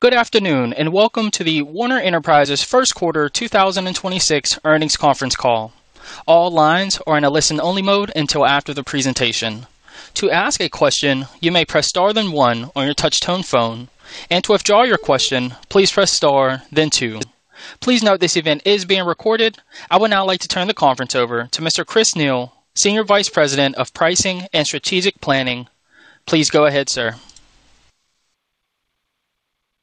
Good afternoon, and welcome to the Werner Enterprises first quarter 2026 earnings conference call. All lines are in a listen-only mode until after the presentation. To ask a question, you may press star one on your touch tone phone. To withdraw your question, please press star two. Please note this event is being recorded. I would now like to turn the conference over to Mr. Chris Neil, Senior Vice President of Pricing and Strategic Planning. Please go ahead, sir.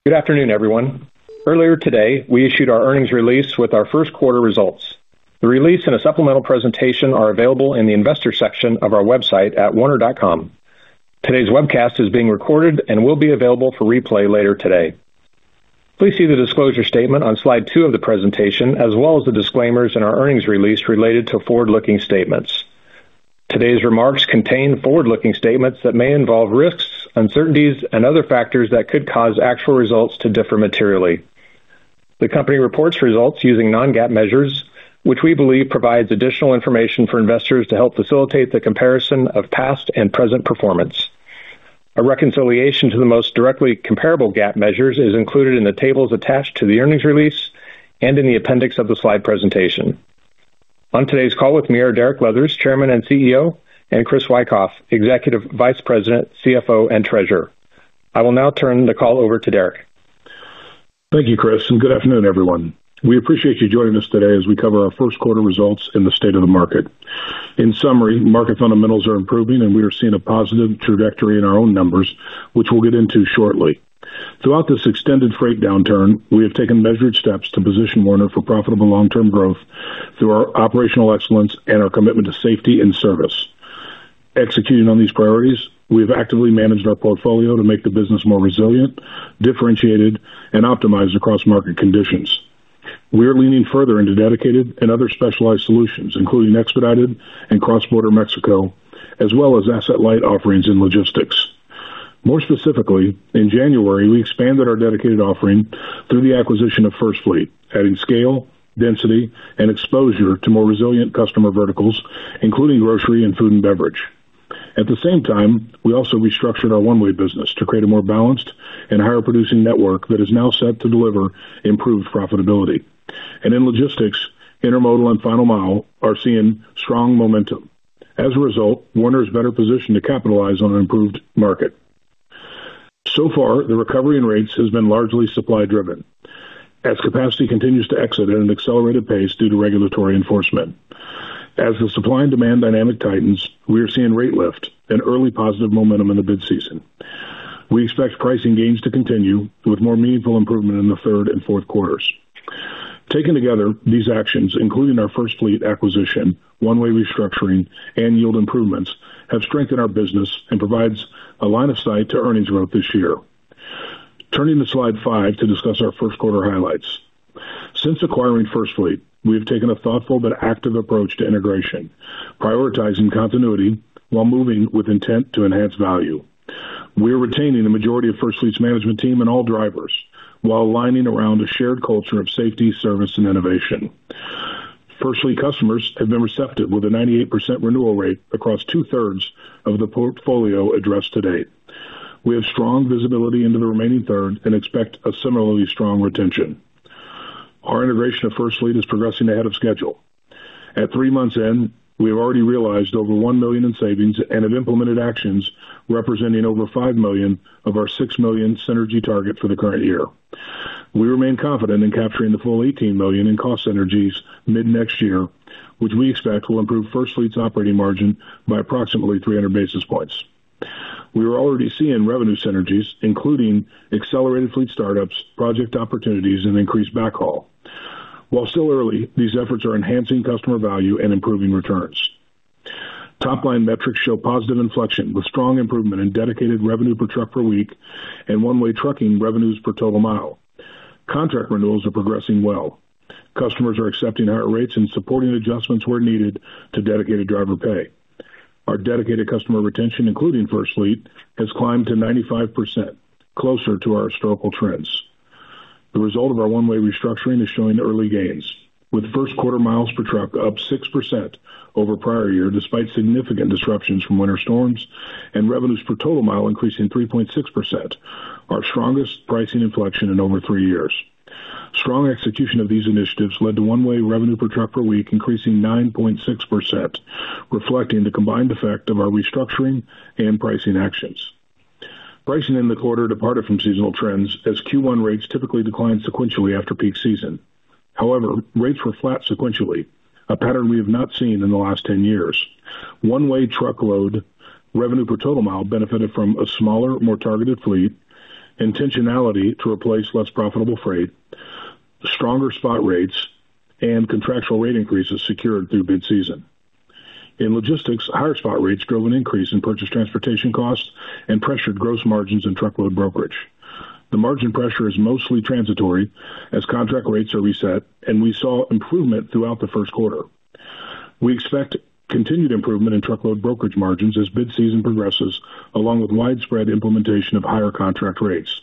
Good afternoon, everyone. Earlier today, we issued our earnings release with our first quarter results. The release and a supplemental presentation are available in the investor section of our website at werner.com. Today's webcast is being recorded and will be available for replay later today. Please see the disclosure statement on slide two of the presentation, as well as the disclaimers in our earnings release related to forward-looking statements. Today's remarks contain forward-looking statements that may involve risks, uncertainties, and other factors that could cause actual results to differ materially. The company reports results using non-GAAP measures, which we believe provides additional information for investors to help facilitate the comparison of past and present performance. A reconciliation to the most directly comparable GAAP measures is included in the tables attached to the earnings release and in the appendix of the slide presentation. On today's call with me are Derek Leathers, Chairman and Chief Executive Officer, and Chris Wikoff, Executive Vice President, Chief Financial Officer, and Treasurer. I will now turn the call over to Derek. Thank you, Chris, and good afternoon, everyone. We appreciate you joining us today as we cover our first quarter results in the state of the market. In summary, market fundamentals are improving, and we are seeing a positive trajectory in our own numbers, which we'll get into shortly. Throughout this extended freight downturn, we have taken measured steps to position Werner for profitable long-term growth through our operational excellence and our commitment to safety and service. Executing on these priorities, we have actively managed our portfolio to make the business more resilient, differentiated, and optimized across market conditions. We are leaning further into dedicated and other specialized solutions, including expedited and cross-border Mexico, as well as asset-light offerings in logistics. More specifically, in January, we expanded our dedicated offering through the acquisition of FirstFleet, adding scale, density, and exposure to more resilient customer verticals, including grocery and food and beverage. At the same time, we also restructured our One-Way business to create a more balanced and higher producing network that is now set to deliver improved profitability. In logistics, intermodal and final mile are seeing strong momentum. As a result, Werner is better positioned to capitalize on an improved market. So far, the recovery in rates has been largely supply driven as capacity continues to exit at an accelerated pace due to regulatory enforcement. As the supply and demand dynamic tightens, we are seeing rate lift and early positive momentum in the bid season. We expect pricing gains to continue with more meaningful improvement in the third and fourth quarters. Taken together, these actions, including our FirstFleet acquisition, One-Way restructuring, and yield improvements, have strengthened our business and provides a line of sight to earnings growth this year. Turning to slide five to discuss our first quarter highlights. Since acquiring FirstFleet, we have taken a thoughtful but active approach to integration, prioritizing continuity while moving with intent to enhance value. We are retaining the majority of FirstFleet's management team and all drivers while aligning around a shared culture of safety, service, and innovation. FirstFleet customers have been receptive with a 98% renewal rate across 2/3 of the portfolio addressed to date. We have strong visibility into the remaining third and expect a similarly strong retention. Our integration of FirstFleet is progressing ahead of schedule. At three months in, we have already realized over $1 million in savings and have implemented actions representing over $5 million of our $6 million synergy target for the current year. We remain confident in capturing the full $18 million in cost synergies mid-next year, which we expect will improve FirstFleet's operating margin by approximately 300 basis points. We are already seeing revenue synergies, including accelerated fleet startups, project opportunities, and increased backhaul. While still early, these efforts are enhancing customer value and improving returns. Top-line metrics show positive inflection, with strong improvement in dedicated revenue per truck per week and One-Way trucking revenues per total mile. Contract renewals are progressing well. Customers are accepting higher rates and supporting adjustments where needed to dedicated driver pay. Our dedicated customer retention, including FirstFleet, has climbed to 95%, closer to our historical trends. The result of our One-Way restructuring is showing early gains, with first quarter miles per truck up 6% over prior year, despite significant disruptions from winter storms and revenues per total mile increasing 3.6%, our strongest pricing inflection in over three years. Strong execution of these initiatives led to One-Way revenue per truck per week increasing 9.6%, reflecting the combined effect of our restructuring and pricing actions. Pricing in the quarter departed from seasonal trends as Q1 rates typically decline sequentially after peak season. However, rates were flat sequentially, a pattern we have not seen in the last 10 years. One-Way Truckload revenue per total mile benefited from a smaller, more targeted fleet, intentionality to replace less profitable freight, stronger spot rates, and contractual rate increases secured through bid season. In logistics, higher spot rates drove an increase in purchase transportation costs and pressured gross margins in truckload brokerage. The margin pressure is mostly transitory as contract rates are reset, and we saw improvement throughout the first quarter. We expect continued improvement in truckload brokerage margins as mid-season progresses, along with widespread implementation of higher contract rates.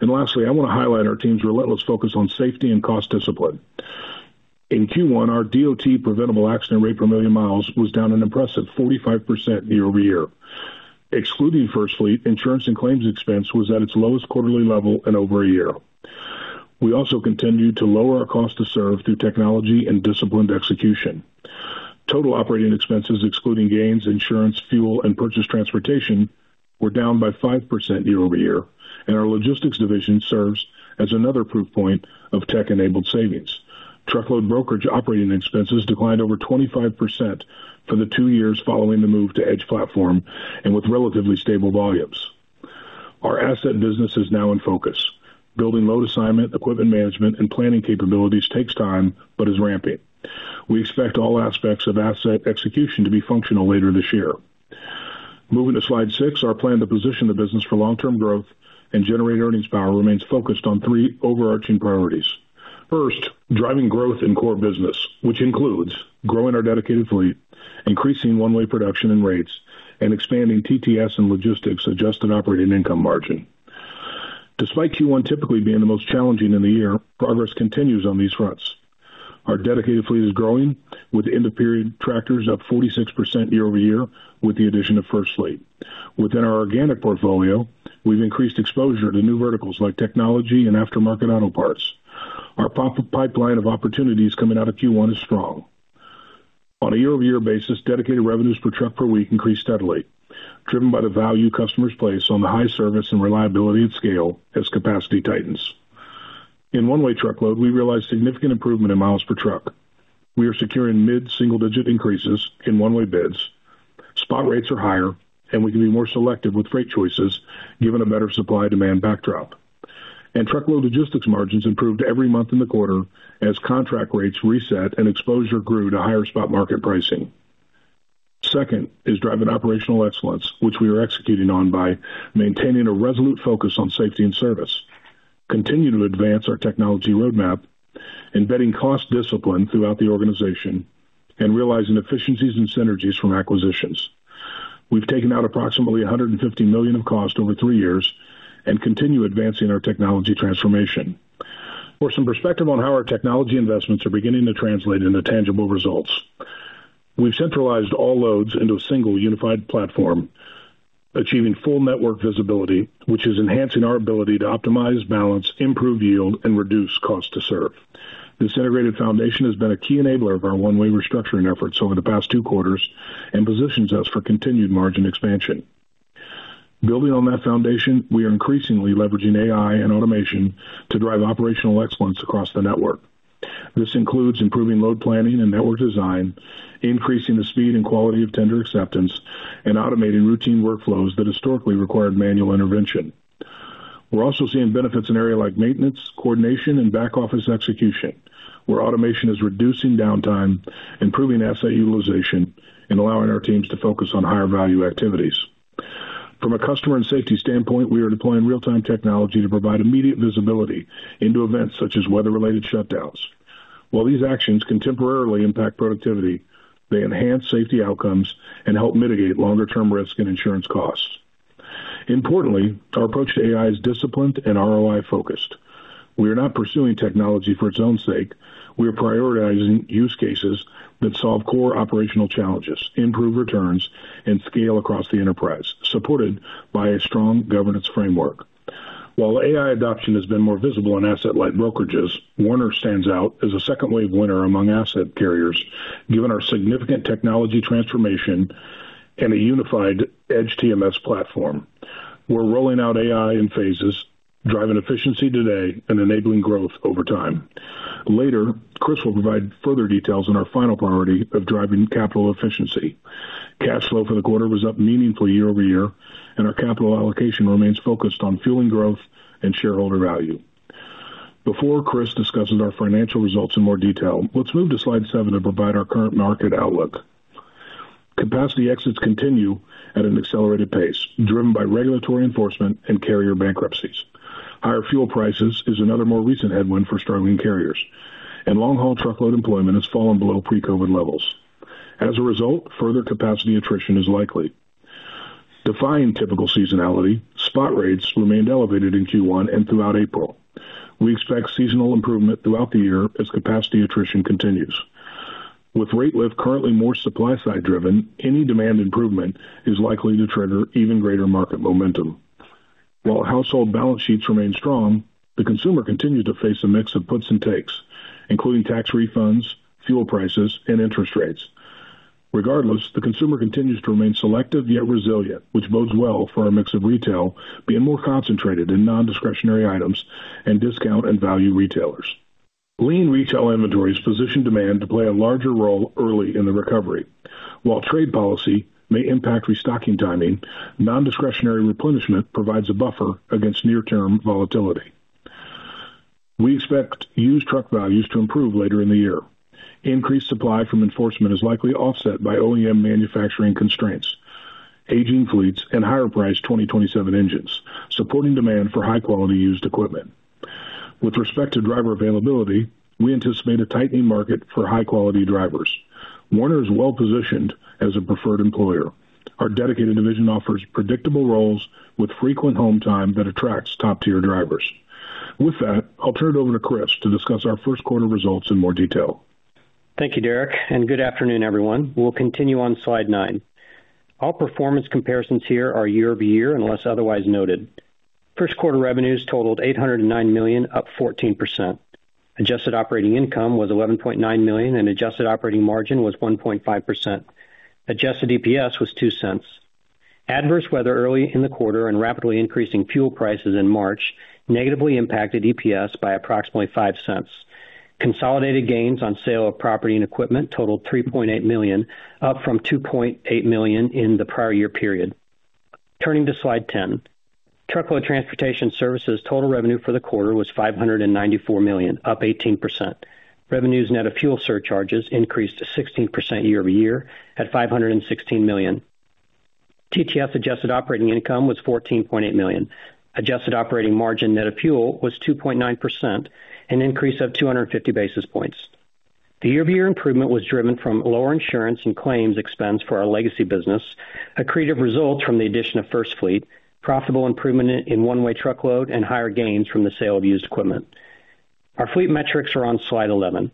Lastly, I want to highlight our team's relentless focus on safety and cost discipline. In Q1, our DOT preventable accident rate per million miles was down an impressive 45% year-over-year. Excluding FirstFleet, insurance and claims expense was at its lowest quarterly level in over a year. We also continued to lower our cost to serve through technology and disciplined execution. Total operating expenses, excluding gains, insurance, fuel, and purchased transportation, were down by 5% year-over-year, and our logistics division serves as another proof point of tech-enabled savings. Truckload brokerage operating expenses declined over 25% for the two years following the move to EDGE platform and with relatively stable volumes. Our asset business is now in focus. Building load assignment, equipment management, and planning capabilities takes time but is ramping. We expect all aspects of asset execution to be functional later this year. Moving to slide six, our plan to position the business for long-term growth and generate earnings power remains focused on three overarching priorities. First, driving growth in core business, which includes growing our Dedicated fleet, increasing One-Way production and rates, and expanding TTS and logistics adjusted operating income margin. Despite Q1 typically being the most challenging in the year, progress continues on these fronts. Our Dedicated fleet is growing, with end-of-period tractors up 46% year-over-year with the addition of FirstFleet. Within our organic portfolio, we've increased exposure to new verticals like technology and aftermarket auto parts. Our pro-pipeline of opportunities coming out of Q1 is strong. On a year-over-year basis, dedicated revenues per truck per week increased steadily, driven by the value customers place on the high service and reliability and scale as capacity tightens. In One-Way Truckload, we realized significant improvement in miles per truck. We are securing mid-single-digit increases in one-way bids. Spot rates are higher, we can be more selective with freight choices given a better supply-demand backdrop. Truckload logistics margins improved every month in the quarter as contract rates reset and exposure grew to higher spot market pricing. Second is driving operational excellence, which we are executing on by maintaining a resolute focus on safety and service, continuing to advance our technology roadmap, embedding cost discipline throughout the organization, and realizing efficiencies and synergies from acquisitions. We've taken out approximately $150 million of cost over three years and continue advancing our technology transformation. For some perspective on how our technology investments are beginning to translate into tangible results, we've centralized all loads into a single unified platform, achieving full network visibility, which is enhancing our ability to optimize, balance, improve yield, and reduce cost to serve. This integrated foundation has been a key enabler of our One-Way restructuring efforts over the past two quarters and positions us for continued margin expansion. Building on that foundation, we are increasingly leveraging AI and automation to drive operational excellence across the network. This includes improving load planning and network design, increasing the speed and quality of tender acceptance, and automating routine workflows that historically required manual intervention. We're also seeing benefits in areas like maintenance, coordination, and back-office execution, where automation is reducing downtime, improving asset utilization, and allowing our teams to focus on higher-value activities. From a customer and safety standpoint, we are deploying real-time technology to provide immediate visibility into events such as weather-related shutdowns. While these actions can temporarily impact productivity, they enhance safety outcomes and help mitigate longer-term risk and insurance costs. Importantly, our approach to AI is disciplined and ROI-focused. We are not pursuing technology for its own sake. We are prioritizing use cases that solve core operational challenges, improve returns, and scale across the enterprise, supported by a strong governance framework. While AI adoption has been more visible in asset-light brokerages, Werner stands out as a second-wave winner among asset carriers, given our significant technology transformation and a unified EDGE TMS platform. We're rolling out AI in phases, driving efficiency today and enabling growth over time. Later, Chris will provide further details on our final priority of driving capital efficiency. Cash flow for the quarter was up meaningfully year-over-year, and our capital allocation remains focused on fueling growth and shareholder value. Before Chris discusses our financial results in more detail, let's move to slide seven to provide our current market outlook. Capacity exits continue at an accelerated pace, driven by regulatory enforcement and carrier bankruptcies. Higher fuel prices is another more recent headwind for struggling carriers, and long-haul truckload employment has fallen below pre-COVID levels. As a result, further capacity attrition is likely. Defying typical seasonality, spot rates remained elevated in Q1 and throughout April. We expect seasonal improvement throughout the year as capacity attrition continues. With rate lift currently more supply side driven, any demand improvement is likely to trigger even greater market momentum. While household balance sheets remain strong, the consumer continues to face a mix of puts and takes, including tax refunds, fuel prices, and interest rates. Regardless, the consumer continues to remain selective yet resilient, which bodes well for our mix of retail being more concentrated in non-discretionary items and discount and value retailers. Lean retail inventories position demand to play a larger role early in the recovery. While trade policy may impact restocking timing, non-discretionary replenishment provides a buffer against near-term volatility. We expect used truck values to improve later in the year. Increased supply from enforcement is likely offset by OEM manufacturing constraints, aging fleets, and higher priced 2027 engines, supporting demand for high-quality used equipment. With respect to driver availability, we anticipate a tightening market for high-quality drivers. Werner is well-positioned as a preferred employer. Our dedicated division offers predictable roles with frequent home time that attracts top-tier drivers. With that, I'll turn it over to Chris to discuss our first quarter results in more detail. Thank you, Derek, and good afternoon, everyone. We'll continue on slide 10. All performance comparisons here are year-over-year, unless otherwise noted. First quarter revenues totaled $809 million, up 14%. Adjusted operating income was $11.9 million, and adjusted operating margin was 1.5%. Adjusted EPS was $0.02. Adverse weather early in the quarter and rapidly increasing fuel prices in March negatively impacted EPS by approximately $0.05. Consolidated gains on sale of property and equipment totaled $3.8 million, up from $2.8 million in the prior year period. Turning to slide 10. Truckload Transportation Services total revenue for the quarter was $594 million, up 18%. Revenues net of fuel surcharges increased 16% year-over-year at $516 million. TTS adjusted operating income was $14.8 million. Adjusted operating margin net of fuel was 2.9%, an increase of 250 basis points. The year-over-year improvement was driven from lower insurance and claims expense for our legacy business, accretive results from the addition of FirstFleet, profitable improvement in One-Way Truckload, and higher gains from the sale of used equipment. Our fleet metrics are on slide 11.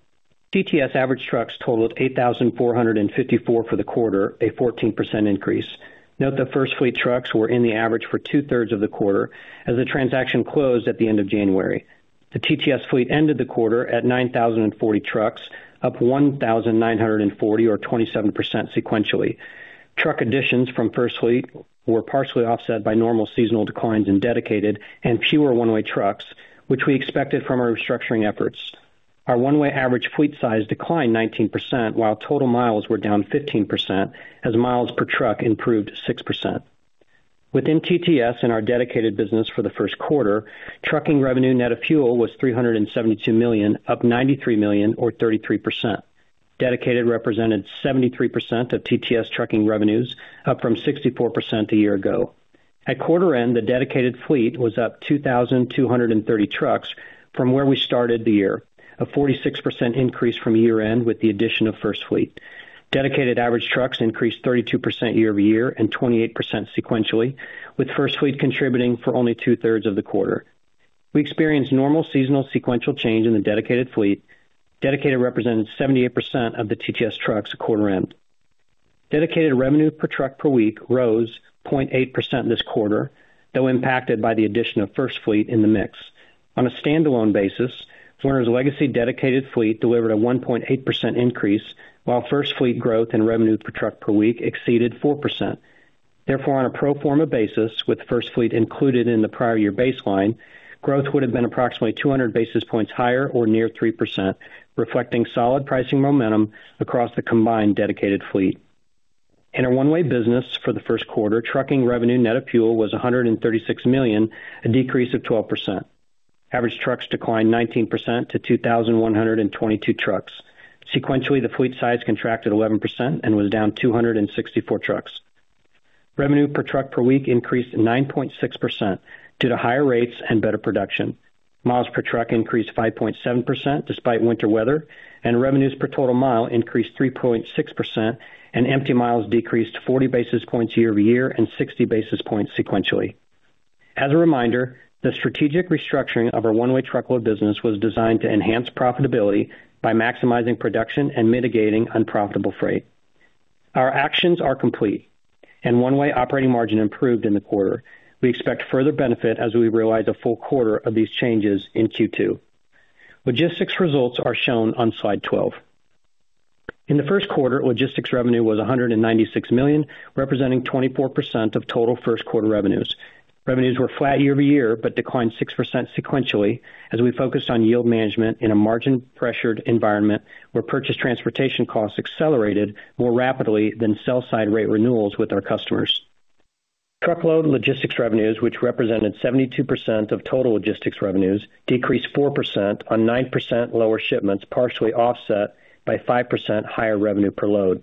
TTS average trucks totaled 8,454 for the quarter, a 14% increase. Note that FirstFleet trucks were in the average for 2/3 of the quarter as the transaction closed at the end of January. The TTS fleet ended the quarter at 9,040 trucks, up 1,940 or 27% sequentially. Truck additions from FirstFleet were partially offset by normal seasonal declines in Dedicated and fewer One-Way trucks, which we expected from our restructuring efforts. Our One-Way average fleet size declined 19%, while total miles were down 15% as miles per truck improved 6%. Within TTS and our Dedicated business for the first quarter, trucking revenue net of fuel was $372 million, up $93 million or 33%. Dedicated represented 73% of TTS trucking revenues, up from 64% a year ago. At quarter end, the Dedicated fleet was up 2,230 trucks from where we started the year. A 46% increase from year-end with the addition of FirstFleet. Dedicated average trucks increased 32% year-over-year and 28% sequentially, with FirstFleet contributing for only 2/3 of the quarter. We experienced normal seasonal sequential change in the Dedicated fleet. Dedicated represented 78% of the TTS trucks at quarter end. Dedicated revenue per truck per week rose 0.8% this quarter, though impacted by the addition of FirstFleet in the mix. On a standalone basis, Werner's legacy Dedicated fleet delivered a 1.8% increase, while FirstFleet growth in revenue per truck per week exceeded 4%. On a pro forma basis, with FirstFleet included in the prior year baseline, growth would have been approximately 200 basis points higher or near 3%, reflecting solid pricing momentum across the combined Dedicated fleet. In our One-Way business for the first quarter, trucking revenue net of fuel was $136 million, a decrease of 12%. Average trucks declined 19% to 2,122 trucks. Sequentially, the fleet size contracted 11% and was down 264 trucks. Revenue per truck per week increased 9.6% due to higher rates and better production. Miles per truck increased 5.7% despite winter weather, and revenues per total mile increased 3.6%, and empty miles decreased 40 basis points year-over-year and 60 basis points sequentially. As a reminder, the strategic restructuring of our One-Way Truckload business was designed to enhance profitability by maximizing production and mitigating unprofitable freight. Our actions are complete, and One-Way operating margin improved in the quarter. We expect further benefit as we realize a full quarter of these changes in Q2. Logistics results are shown on slide 12. In the first quarter, Logistics revenue was $196 million, representing 24% of total first quarter revenues. Revenues were flat year-over-year but declined 6% sequentially as we focused on yield management in a margin-pressured environment where purchase transportation costs accelerated more rapidly than sell side rate renewals with our customers. Truckload logistics revenues, which represented 72% of total logistics revenues, decreased 4% on 9% lower shipments, partially offset by 5% higher revenue per load.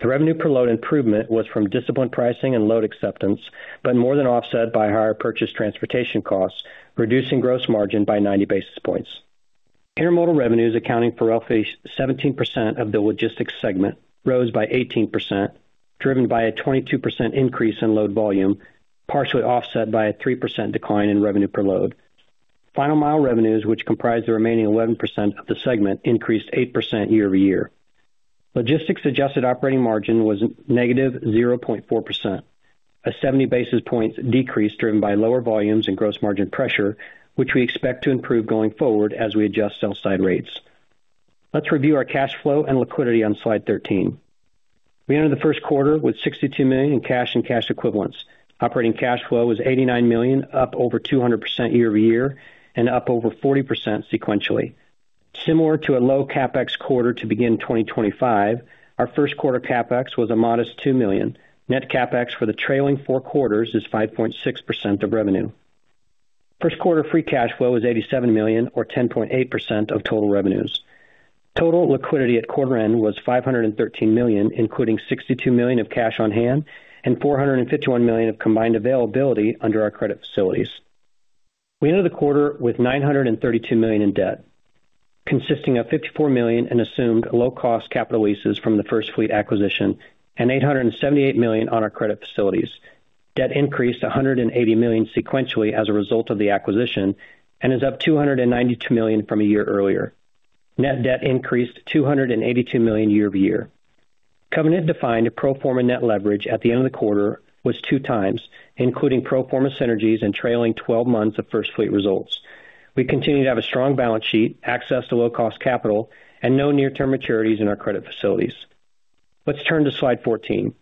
The revenue per load improvement was from disciplined pricing and load acceptance, but more than offset by higher purchase transportation costs, reducing gross margin by 90 basis points. Intermodal revenues accounting for roughly 17% of the logistics segment rose by 18%, driven by a 22% increase in load volume, partially offset by a 3% decline in revenue per load. Final mile revenues, which comprise the remaining 11% of the segment, increased 8% year-over-year. Logistics adjusted operating margin was -0.4%, a 70 basis points decrease driven by lower volumes and gross margin pressure, which we expect to improve going forward as we adjust sell side rates. Let's review our cash flow and liquidity on slide 13. We ended the first quarter with $62 million in cash and cash equivalents. Operating cash flow was $89 million, up over 200% year-over-year and up over 40% sequentially. Similar to a low CapEx quarter to begin 2025, our first quarter CapEx was a modest $2 million. Net CapEx for the trailing four quarters is 5.6% of revenue. First quarter free cash flow was $87 million or 10.8% of total revenues. Total liquidity at quarter end was $513 million, including $62 million of cash on hand and $451 million of combined availability under our credit facilities. We ended the quarter with $932 million in debt, consisting of $54 million in assumed low-cost capital leases from the FirstFleet acquisition and $878 million on our credit facilities. Debt increased $180 million sequentially as a result of the acquisition and is up $292 million from a year earlier. Net debt increased $282 million year-over-year. Covenant-defined pro forma net leverage at the end of the quarter was 2x, including pro forma synergies and trailing 12 months of FirstFleet results. We continue to have a strong balance sheet, access to low-cost capital, and no near-term maturities in our credit facilities. Let's turn to slide 14.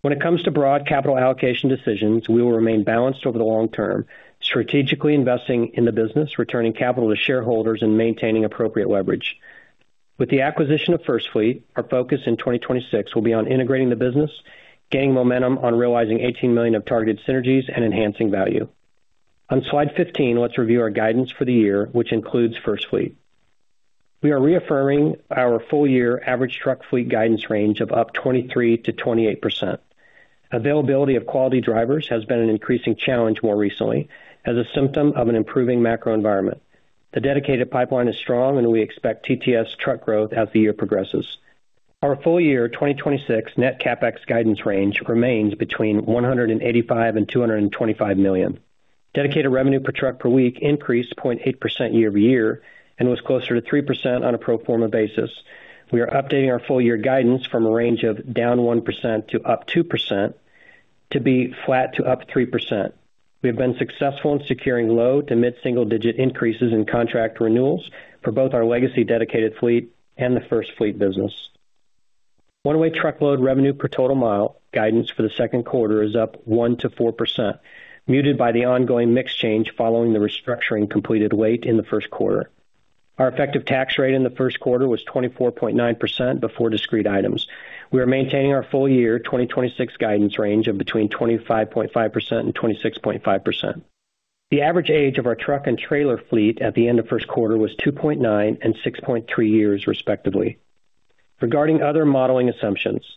When it comes to broad capital allocation decisions, we will remain balanced over the long term, strategically investing in the business, returning capital to shareholders, and maintaining appropriate leverage. With the acquisition of FirstFleet, our focus in 2026 will be on integrating the business, gaining momentum on realizing $18 million of targeted synergies, and enhancing value. On slide 15, let's review our guidance for the year, which includes FirstFleet. We are reaffirming our full year average truck fleet guidance range of up 23%-28%. Availability of quality drivers has been an increasing challenge more recently as a symptom of an improving macro environment. The dedicated pipeline is strong, and we expect TTS truck growth as the year progresses. Our full year 2026 net CapEx guidance range remains between $185 million and $225 million. Dedicated revenue per truck per week increased 0.8% year-over-year and was closer to 3% on a pro forma basis. We are updating our full year guidance from a range of -1% to +2% to be flat to +3%. We have been successful in securing low to mid-single digit increases in contract renewals for both our legacy Dedicated fleet and the FirstFleet business. One-Way Truckload revenue per total mile guidance for the second quarter is up 1%-4%, muted by the ongoing mix change following the restructuring completed late in the first quarter. Our effective tax rate in the first quarter was 24.9% before discrete items. We are maintaining our full year 2026 guidance range of between 25.5% and 26.5%. The average age of our truck and trailer fleet at the end of first quarter was 2.9 and 6.3 years, respectively. Regarding other modeling assumptions,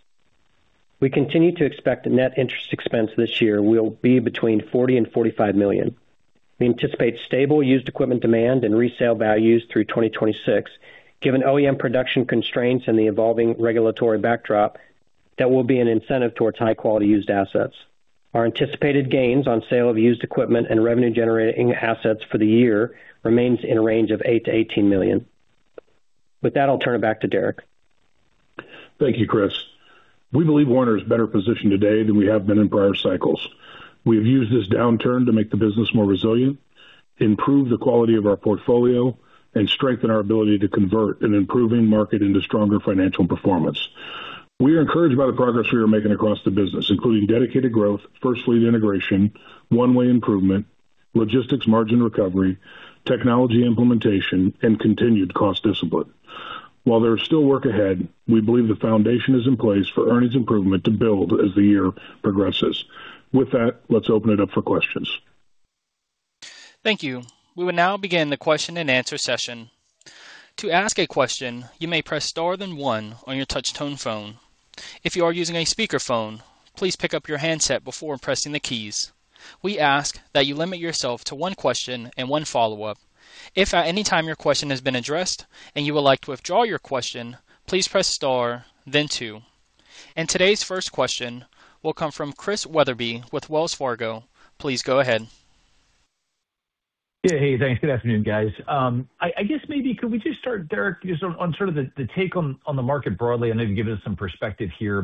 we continue to expect the net interest expense this year will be between $40 million and $45 million. We anticipate stable used equipment demand and resale values through 2026, given OEM production constraints and the evolving regulatory backdrop that will be an incentive towards high-quality used assets. Our anticipated gains on sale of used equipment and revenue-generating assets for the year remains in a range of $8 million-$18 million. With that, I'll turn it back to Derek. Thank you, Chris. We believe Werner is better positioned today than we have been in prior cycles. We have used this downturn to make the business more resilient, improve the quality of our portfolio, and strengthen our ability to convert an improving market into stronger financial performance. We are encouraged by the progress we are making across the business, including dedicated growth, FirstFleet integration, One-Way improvement, logistics margin recovery, technology implementation, and continued cost discipline. While there is still work ahead, we believe the foundation is in place for earnings improvement to build as the year progresses. With that, let's open it up for questions. Thank you. We will now begin the question-and-answer session. To ask a question, you may press star then one on your touchtone phone. If you are using a speakerphone, please pick up your handset before pressing the keys. We ask that you limit yourself to one question and one follow-up. If at any time your question has been addressed and you would like to withdraw your question, please press star then two. Today's first question will come from Chris Wetherbee with Wells Fargo. Please go ahead. Yeah. Hey, thanks. Good afternoon, guys. I guess maybe could we just start, Derek, just on sort of the take on the market broadly and maybe give us some perspective here.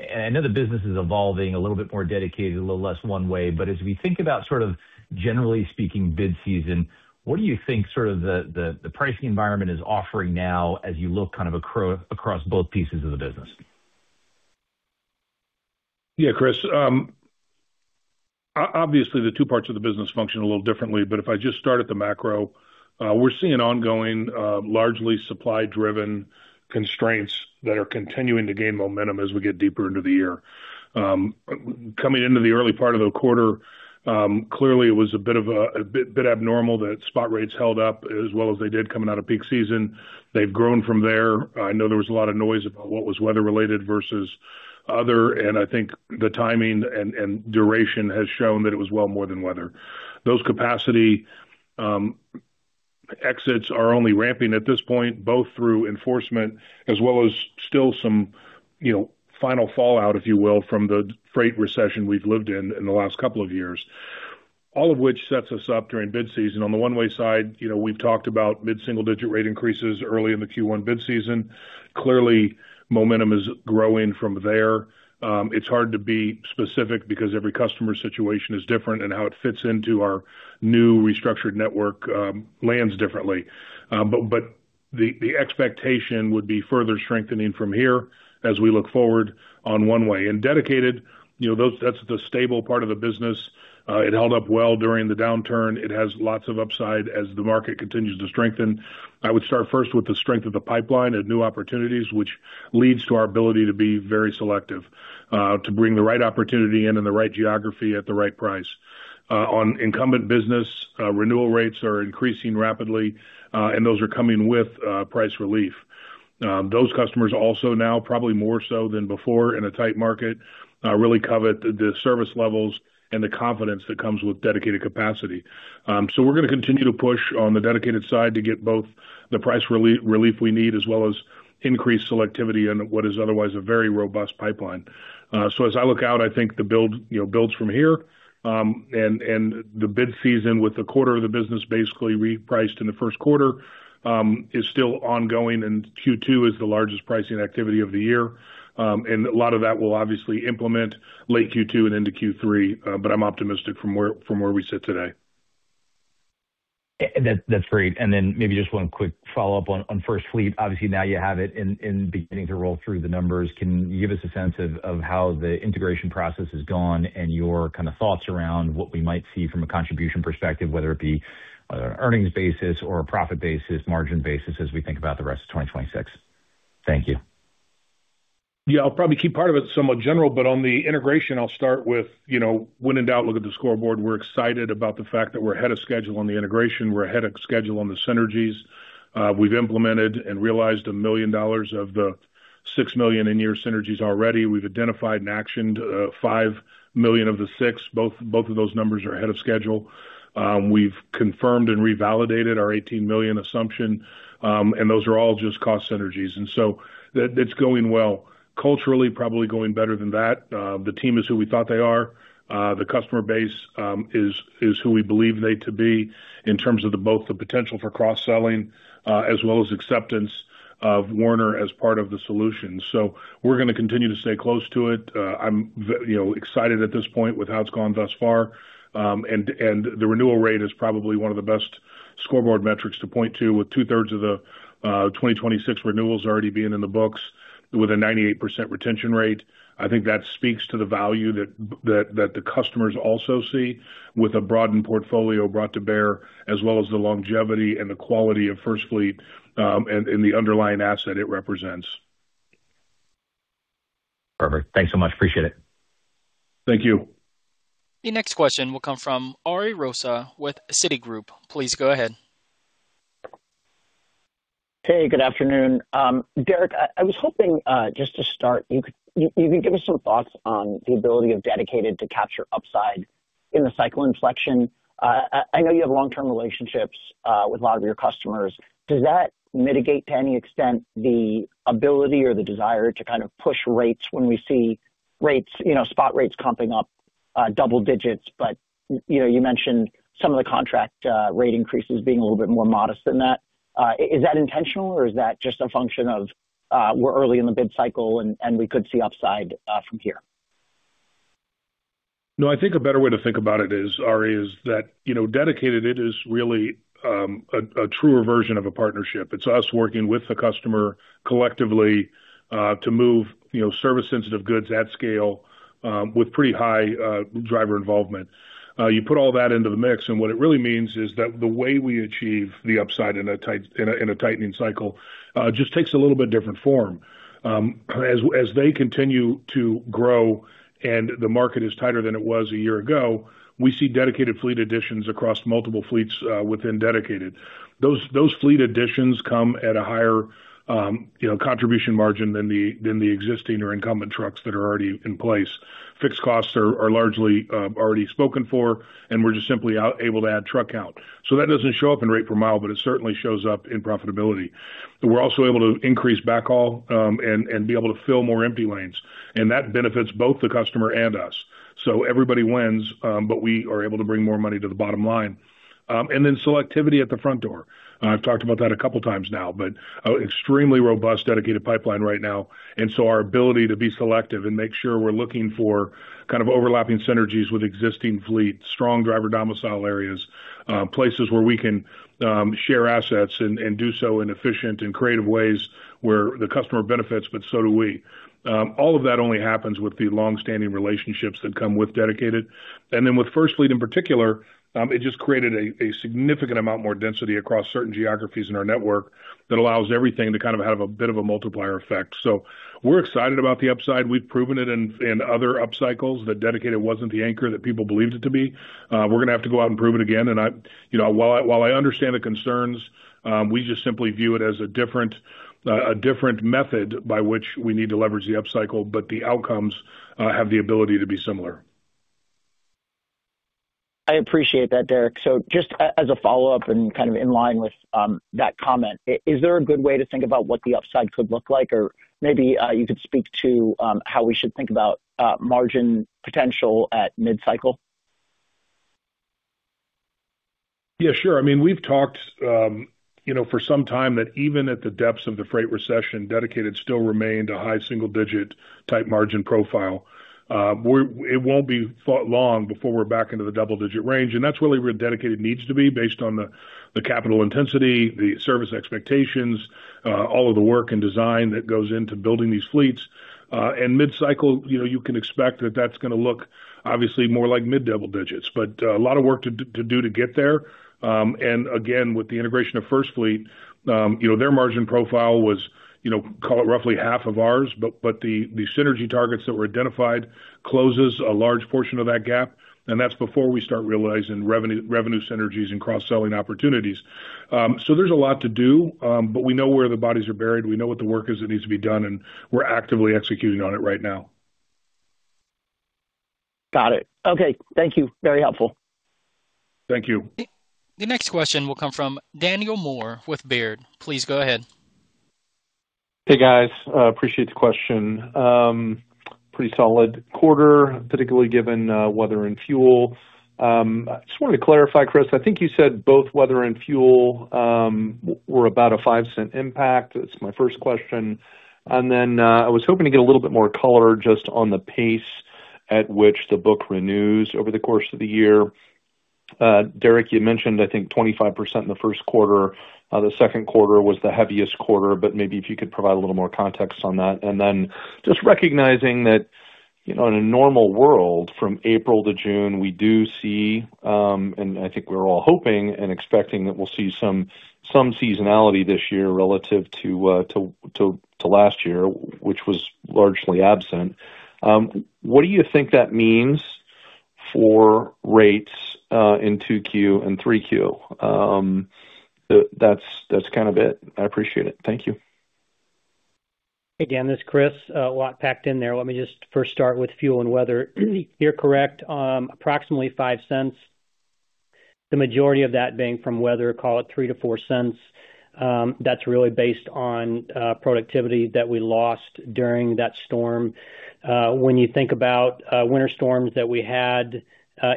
I know the business is evolving a little bit more dedicated, a little less One-Way. As we think about sort of generally speaking bid season, what do you think sort of the pricing environment is offering now as you look kind of across both pieces of the business? Yeah, Chris. Obviously, the two parts of the business function a little differently, but if I just start at the macro, we're seeing ongoing, largely supply-driven constraints that are continuing to gain momentum as we get deeper into the year. Coming into the early part of the quarter, clearly it was a bit of a bit abnormal that spot rates held up as well as they did coming out of peak season. They've grown from there. I know there was a lot of noise about what was weather related versus other, and I think the timing and duration has shown that it was well more than weather. Those capacity exits are only ramping at this point, both through enforcement as well as still some, you know, final fallout, if you will, from the freight recession we've lived in in the last couple of years, all of which sets us up during bid season. On the One-Way side, you know, we've talked about mid-single digit rate increases early in the Q1 bid season. Clearly, momentum is growing from there. It's hard to be specific because every customer situation is different and how it fits into our new restructured network lands differently. But the expectation would be further strengthening from here as we look forward on One-Way. Dedicated, you know, that's the stable part of the business. It held up well during the downturn. It has lots of upside as the market continues to strengthen. I would start first with the strength of the pipeline and new opportunities, which leads to our ability to be very selective, to bring the right opportunity in the right geography at the right price. On incumbent business, renewal rates are increasing rapidly, those are coming with price relief. Those customers also now, probably more so than before in a tight market, really covet the service levels and the confidence that comes with dedicated capacity. We're gonna continue to push on the dedicated side to get both the price relief we need as well as increased selectivity in what is otherwise a very robust pipeline. As I look out, I think the build, you know, builds from here. The bid season with a quarter of the business basically repriced in the first quarter, is still ongoing, and Q2 is the largest pricing activity of the year. A lot of that will obviously implement late Q2 and into Q3, but I'm optimistic from where, from where we sit today. That's great. Then maybe just one quick follow-up on FirstFleet. Obviously, now you have it beginning to roll through the numbers, can you give us a sense of how the integration process has gone and your kind of thoughts around what we might see from a contribution perspective, whether it be earnings basis or a profit basis, margin basis, as we think about the rest of 2026? Thank you. Yeah. I'll probably keep part of it somewhat general, but on the integration, I'll start with, you know, when in doubt, look at the scoreboard. We're excited about the fact that we're ahead of schedule on the integration. We're ahead of schedule on the synergies. We've implemented and realized $1 million of the $6 million in-year synergies already. We've identified and actioned $5 million of the $6 million. Both of those numbers are ahead of schedule. We've confirmed and revalidated our $18 million assumption, and those are all just cost synergies. It's going well. Culturally, probably going better than that. The team is who we thought they are. The customer base is who we believe they to be in terms of the both the potential for cross-selling, as well as acceptance of Werner as part of the solution. We're gonna continue to stay close to it. I'm you know, excited at this point with how it's gone thus far. The renewal rate is probably one of the best scoreboard metrics to point to, with 2/3 of the 2026 renewals already being in the books with a 98% retention rate. That speaks to the value that the customers also see with a broadened portfolio brought to bear as well as the longevity and the quality of FirstFleet, and the underlying asset it represents. Perfect. Thanks so much. Appreciate it. Thank you. The next question will come from Ari Rosa with Citigroup. Please go ahead. Hey, good afternoon. Derek, I was hoping just to start, you could give us some thoughts on the ability of Dedicated to capture upside in the cycle inflection. I know you have long-term relationships with a lot of your customers. Does that mitigate to any extent the ability or the desire to kind of push rates when we see rates, you know, spot rates comping up double digits, but you know, you mentioned some of the contract rate increases being a little bit more modest than that. Is that intentional, or is that just a function of we're early in the bid cycle and we could see upside from here? I think a better way to think about it is, Ari, is that, you know, Dedicated, it is really a truer version of a partnership. It's us working with the customer collectively, to move, you know, service sensitive goods at scale, with pretty high driver involvement. You put all that into the mix, and what it really means is that the way we achieve the upside in a tightening cycle, just takes a little bit different form. As they continue to grow and the market is tighter than it was a year ago, we see Dedicated fleet additions across multiple fleets, within Dedicated. Those fleet additions come at a higher, you know, contribution margin than the existing or incumbent trucks that are already in place. Fixed costs are largely already spoken for, we're just simply able to add truck count. That doesn't show up in rate per mile, it certainly shows up in profitability. We're also able to increase backhaul, and be able to fill more empty lanes, that benefits both the customer and us. Everybody wins, we are able to bring more money to the bottom line. Selectivity at the front door. I've talked about that a couple times now, extremely robust dedicated pipeline right now, our ability to be selective and make sure we're looking for kind of overlapping synergies with existing fleet, strong driver domicile areas, places where we can share assets and do so in efficient and creative ways where the customer benefits, so do we. All of that only happens with the long-standing relationships that come with Dedicated. With FirstFleet in particular, it just created a significant amount more density across certain geographies in our network that allows everything to kind of have a bit of a multiplier effect. We're excited about the upside. We've proven it in other up cycles that Dedicated wasn't the anchor that people believed it to be. We're gonna have to go out and prove it again. You know, while I understand the concerns, we just simply view it as a different method by which we need to leverage the up cycle, but the outcomes have the ability to be similar. I appreciate that, Derek. Just as a follow-up and kind of in line with that comment, is there a good way to think about what the upside could look like? Maybe you could speak to how we should think about margin potential at mid-cycle. Yeah, sure. I mean, we've talked, you know, for some time that even at the depths of the freight recession, Dedicated still remained a high single digit type margin profile. It won't be long before we're back into the double-digit range, and that's really where Dedicated needs to be based on the capital intensity, the service expectations, all of the work and design that goes into building these fleets. Mid-cycle, you know, you can expect that that's gonna look obviously more like mid double digits. A lot of work to do to get there. Again, with the integration of FirstFleet, you know, their margin profile was, you know, call it roughly half of ours, the synergy targets that were identified closes a large portion of that gap, and that's before we start realizing revenue synergies and cross-selling opportunities. There's a lot to do, we know where the bodies are buried. We know what the work is that needs to be done, and we're actively executing on it right now. Got it. Okay. Thank you. Very helpful. Thank you. The next question will come from Daniel Moore with Baird. Please go ahead. Hey, guys. Appreciate the question. Pretty solid quarter, particularly given weather and fuel. I just wanted to clarify, Chris, I think you said both weather and fuel were about a $0.05 impact. That's my first question. I was hoping to get a little bit more color just on the pace at which the book renews over the course of the year. Derek, you mentioned, I think, 25% in the first quarter. The second quarter was the heaviest quarter, but maybe if you could provide a little more context on that. Just recognizing that, you know, in a normal world, from April to June, we do see, and I think we're all hoping and expecting that we'll see some seasonality this year relative to last year, which was largely absent. What do you think that means for rates in 2Q and 3Q? That's kind of it. I appreciate it. Thank you. Again, this is Chris. A lot packed in there. Let me just first start with fuel and weather. You're correct. Approximately $0.05, the majority of that being from weather, call it $0.03-$0.04. That's really based on productivity that we lost during that storm. When you think about winter storms that we had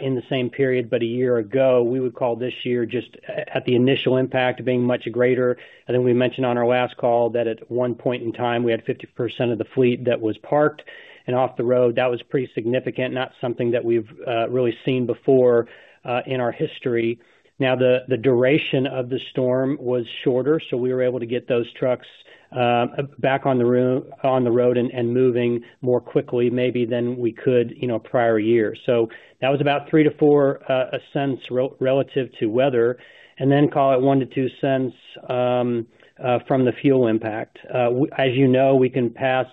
in the same period but a year ago, we would call this year just at the initial impact being much greater. We mentioned on our last call that at one point in time, we had 50% of the fleet that was parked and off the road. That was pretty significant, not something that we've really seen before in our history. Now, the duration of the storm was shorter, so we were able to get those trucks back on the road and moving more quickly maybe than we could, you know, prior years. That was about $0.03-$0.04 relative to weather, and then call it $0.01-$0.02 from the fuel impact. As you know, we can pass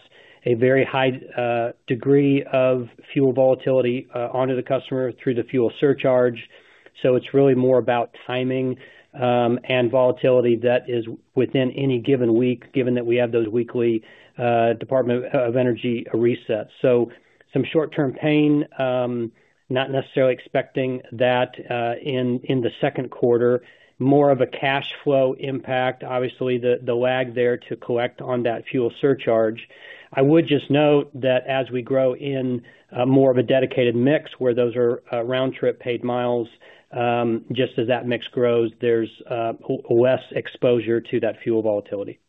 a very high degree of fuel volatility onto the customer through the fuel surcharge. It's really more about timing and volatility that is within any given week, given that we have those weekly Department of Energy resets. Some short-term pain, not necessarily expecting that in the second quarter. More of a cash flow impact. Obviously, the lag there to collect on that fuel surcharge. I would just note that as we grow in more of a dedicated mix where those are round-trip paid miles, just as that mix grows, there's less exposure to that fuel volatility.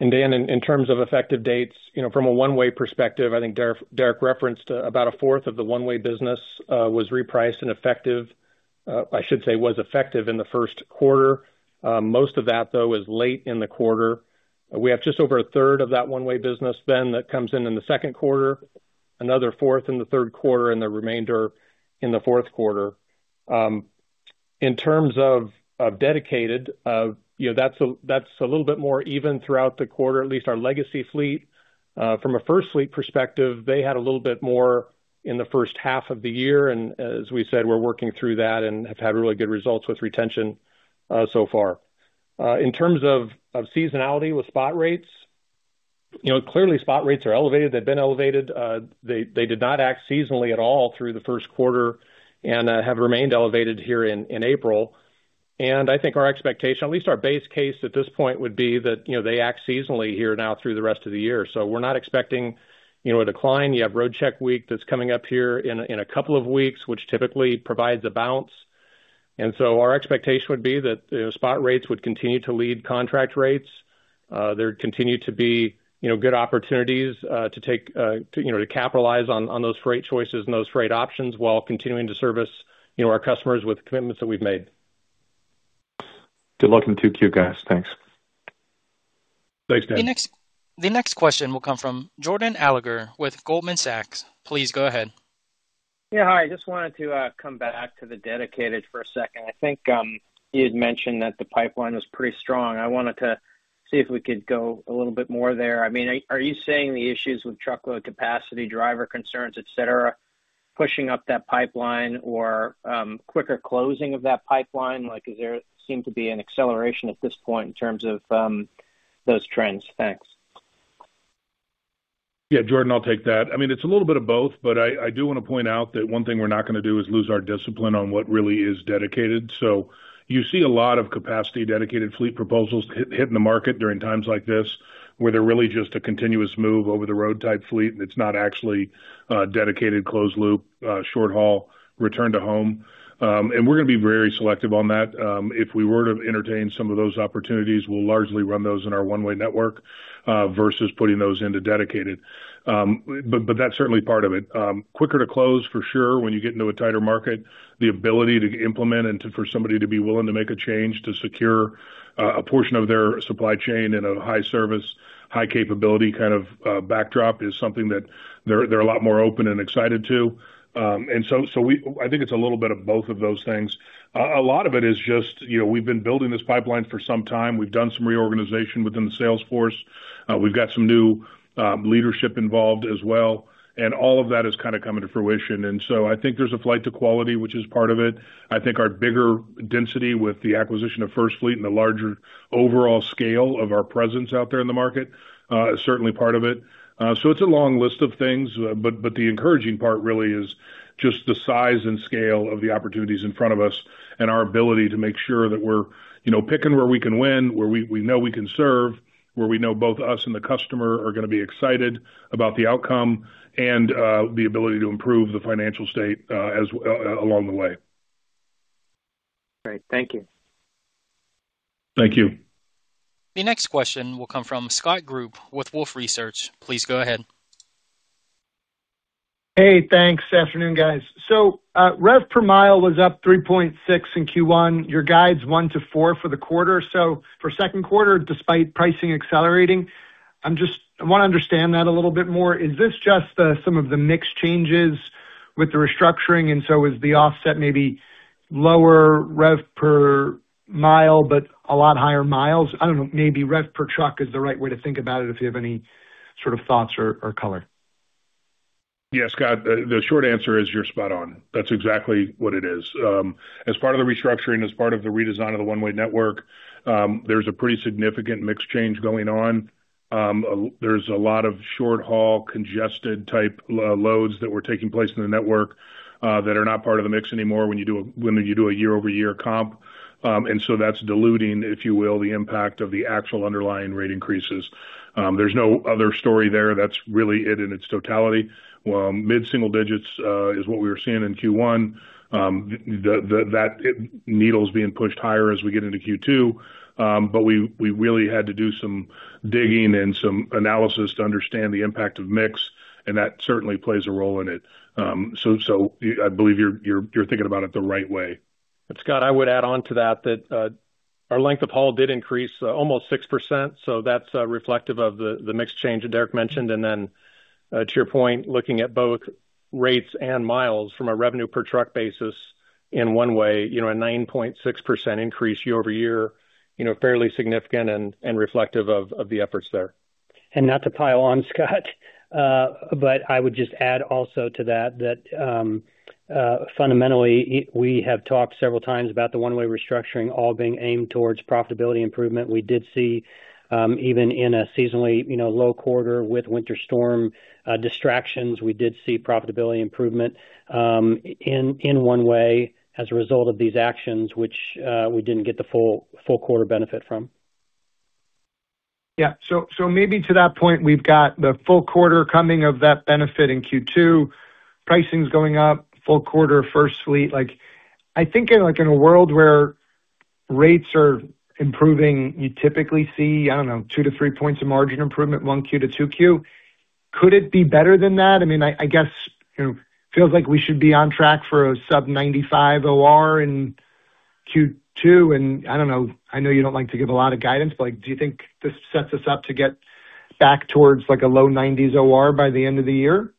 Dan, in terms of effective dates, you know, from a One-Way perspective, I think Derek referenced about a fourth of the One-Way business was repriced and effective, I should say was effective in the first quarter. Most of that, though, is late in the quarter. We have just over a third of that One-Way business then that comes in in the second quarter, another fourth in the third quarter, and the remainder in the fourth quarter. In terms of dedicated, you know, that's a little bit more even throughout the quarter, at least our legacy fleet. From a FirstFleet perspective, they had a little bit more in the first half of the year, and as we said, we're working through that and have had really good results with retention so far. In terms of seasonality with spot rates, you know, clearly spot rates are elevated. They've been elevated. They did not act seasonally at all through the first quarter and have remained elevated here in April. I think our expectation, at least our base case at this point would be that, you know, they act seasonally here now through the rest of the year. We're not expecting, you know, a decline. You have Roadcheck week that's coming up here in a couple of weeks, which typically provides a bounce. Our expectation would be that, you know, spot rates would continue to lead contract rates. There continue to be, you know, good opportunities to take to, you know, to capitalize on those freight choices and those freight options while continuing to service, you know, our customers with commitments that we've made. Good luck in 2Q, guys. Thanks. Thanks, Dan. The next question will come from Jordan Alliger with Goldman Sachs. Please go ahead. Yeah, hi. Just wanted to come back to the dedicated for a second. I think you had mentioned that the pipeline was pretty strong. I wanted to see if we could go a little bit more there. I mean, are you saying the issues with truckload capacity, driver concerns, et cetera, pushing up that pipeline or quicker closing of that pipeline? Like, is there seem to be an acceleration at this point in terms of those trends? Thanks. Yeah, Jordan, I'll take that. I mean, it's a little bit of both. I do want to point out that one thing we're not going to do is lose our discipline on what really is dedicated. You see a lot of capacity Dedicated fleet proposals hitting the market during times like this, where they're really just a continuous move over the road type fleet, and it's not actually a dedicated closed loop, short haul return to home. We're going to be very selective on that. If we were to entertain some of those opportunities, we'll largely run those in our One-Way network, versus putting those into dedicated. That's certainly part of it. Quicker to close for sure when you get into a tighter market. The ability to implement for somebody to be willing to make a change to secure a portion of their supply chain in a high service, high capability kind of backdrop is something that they're a lot more open and excited to. I think it's a little bit of both of those things. A lot of it is just, you know, we've been building this pipeline for some time. We've done some reorganization within the sales force. We've got some new leadership involved as well. All of that is kind of coming to fruition. So I think there's a flight to quality, which is part of it. I think our bigger density with the acquisition of FirstFleet and the larger overall scale of our presence out there in the market is certainly part of it. It's a long list of things. But the encouraging part really is just the size and scale of the opportunities in front of us and our ability to make sure that we're, you know, picking where we can win, where we know we can serve, where we know both us and the customer are going to be excited about the outcome and the ability to improve the financial state along the way. Great. Thank you. Thank you. The next question will come from Scott Group with Wolfe Research. Please go ahead. Hey, thanks. Afternoon, guys. Rev per mile was up 3.6 in Q1. Your guide's 1%-4% for the quarter. For second quarter, despite pricing accelerating, I want to understand that a little bit more. Is this just some of the mix changes with the restructuring, is the offset maybe lower rev per mile but a lot higher miles? I don't know, maybe rev per truck is the right way to think about it, if you have any sort of thoughts or color. Yeah, Scott, the short answer is you're spot on. That's exactly what it is. As part of the restructuring, as part of the redesign of the One-Way network, there's a pretty significant mix change going on. There's a lot of short haul, congested type loads that were taking place in the network that are not part of the mix anymore when you do a, when you do a year-over-year comp. That's diluting, if you will, the impact of the actual underlying rate increases. There's no other story there. That's really it in its totality. Mid-single digits is what we were seeing in Q1. That needle's being pushed higher as we get into Q2. We really had to do some digging and some analysis to understand the impact of mix, and that certainly plays a role in it. I believe you're thinking about it the right way. Scott, I would add on to that, our length of haul did increase, almost 6%, so that's reflective of the mix change that Derek mentioned. Then, to your point, looking at both rates and miles from a revenue per truck basis in One-Way, you know, a 9.6% increase year-over-year, you know, fairly significant and reflective of the efforts there. Not to pile on Scott, but I would just add also to that, fundamentally we have talked several times about the One-Way restructuring all being aimed towards profitability improvement. We did see, even in a seasonally, you know, low quarter with winter storm, distractions, we did see profitability improvement, in One-Way as a result of these actions, which we didn't get the full quarter benefit from. Yeah. Maybe to that point, we've got the full quarter coming of that benefit in Q2, pricing's going up full quarter, FirstFleet. Like, I think in a world where rates are improving, you typically see, I don't know, 2 to 3 points of margin improvement, 1Q to 2Q. Could it be better than that? I mean, I guess, you know, feels like we should be on track for a sub-95 OR in Q2. I don't know, I know you don't like to give a lot of guidance, do you think this sets us up to get back towards like a low 90s OR by the end of the year?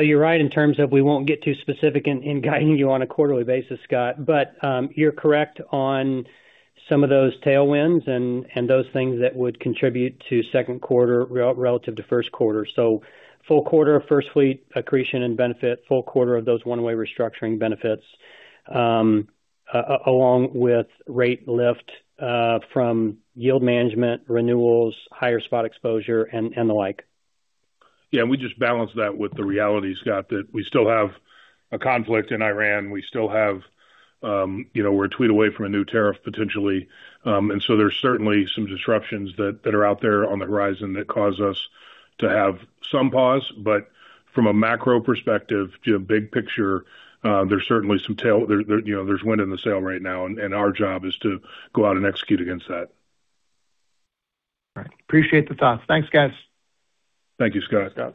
You're right in terms of we won't get too specific in guiding you on a quarterly basis, Scott. You're correct on some of those tailwinds and those things that would contribute to second quarter relative to first quarter. Full quarter, FirstFleet accretion and benefit, full quarter of those One-Way restructuring benefits, along with rate lift from yield management, renewals, higher spot exposure and the like. Yeah. We just balance that with the reality, Scott, that we still have a conflict in Iran. We still have, you know, we're a tweet away from a new tariff, potentially. There's certainly some disruptions that are out there on the horizon that cause us to have some pause. From a macro perspective, you know, big picture, you know, there's wind in the sail right now, and our job is to go out and execute against that. All right. Appreciate the thoughts. Thanks, guys. Thank you, Scott. Scott.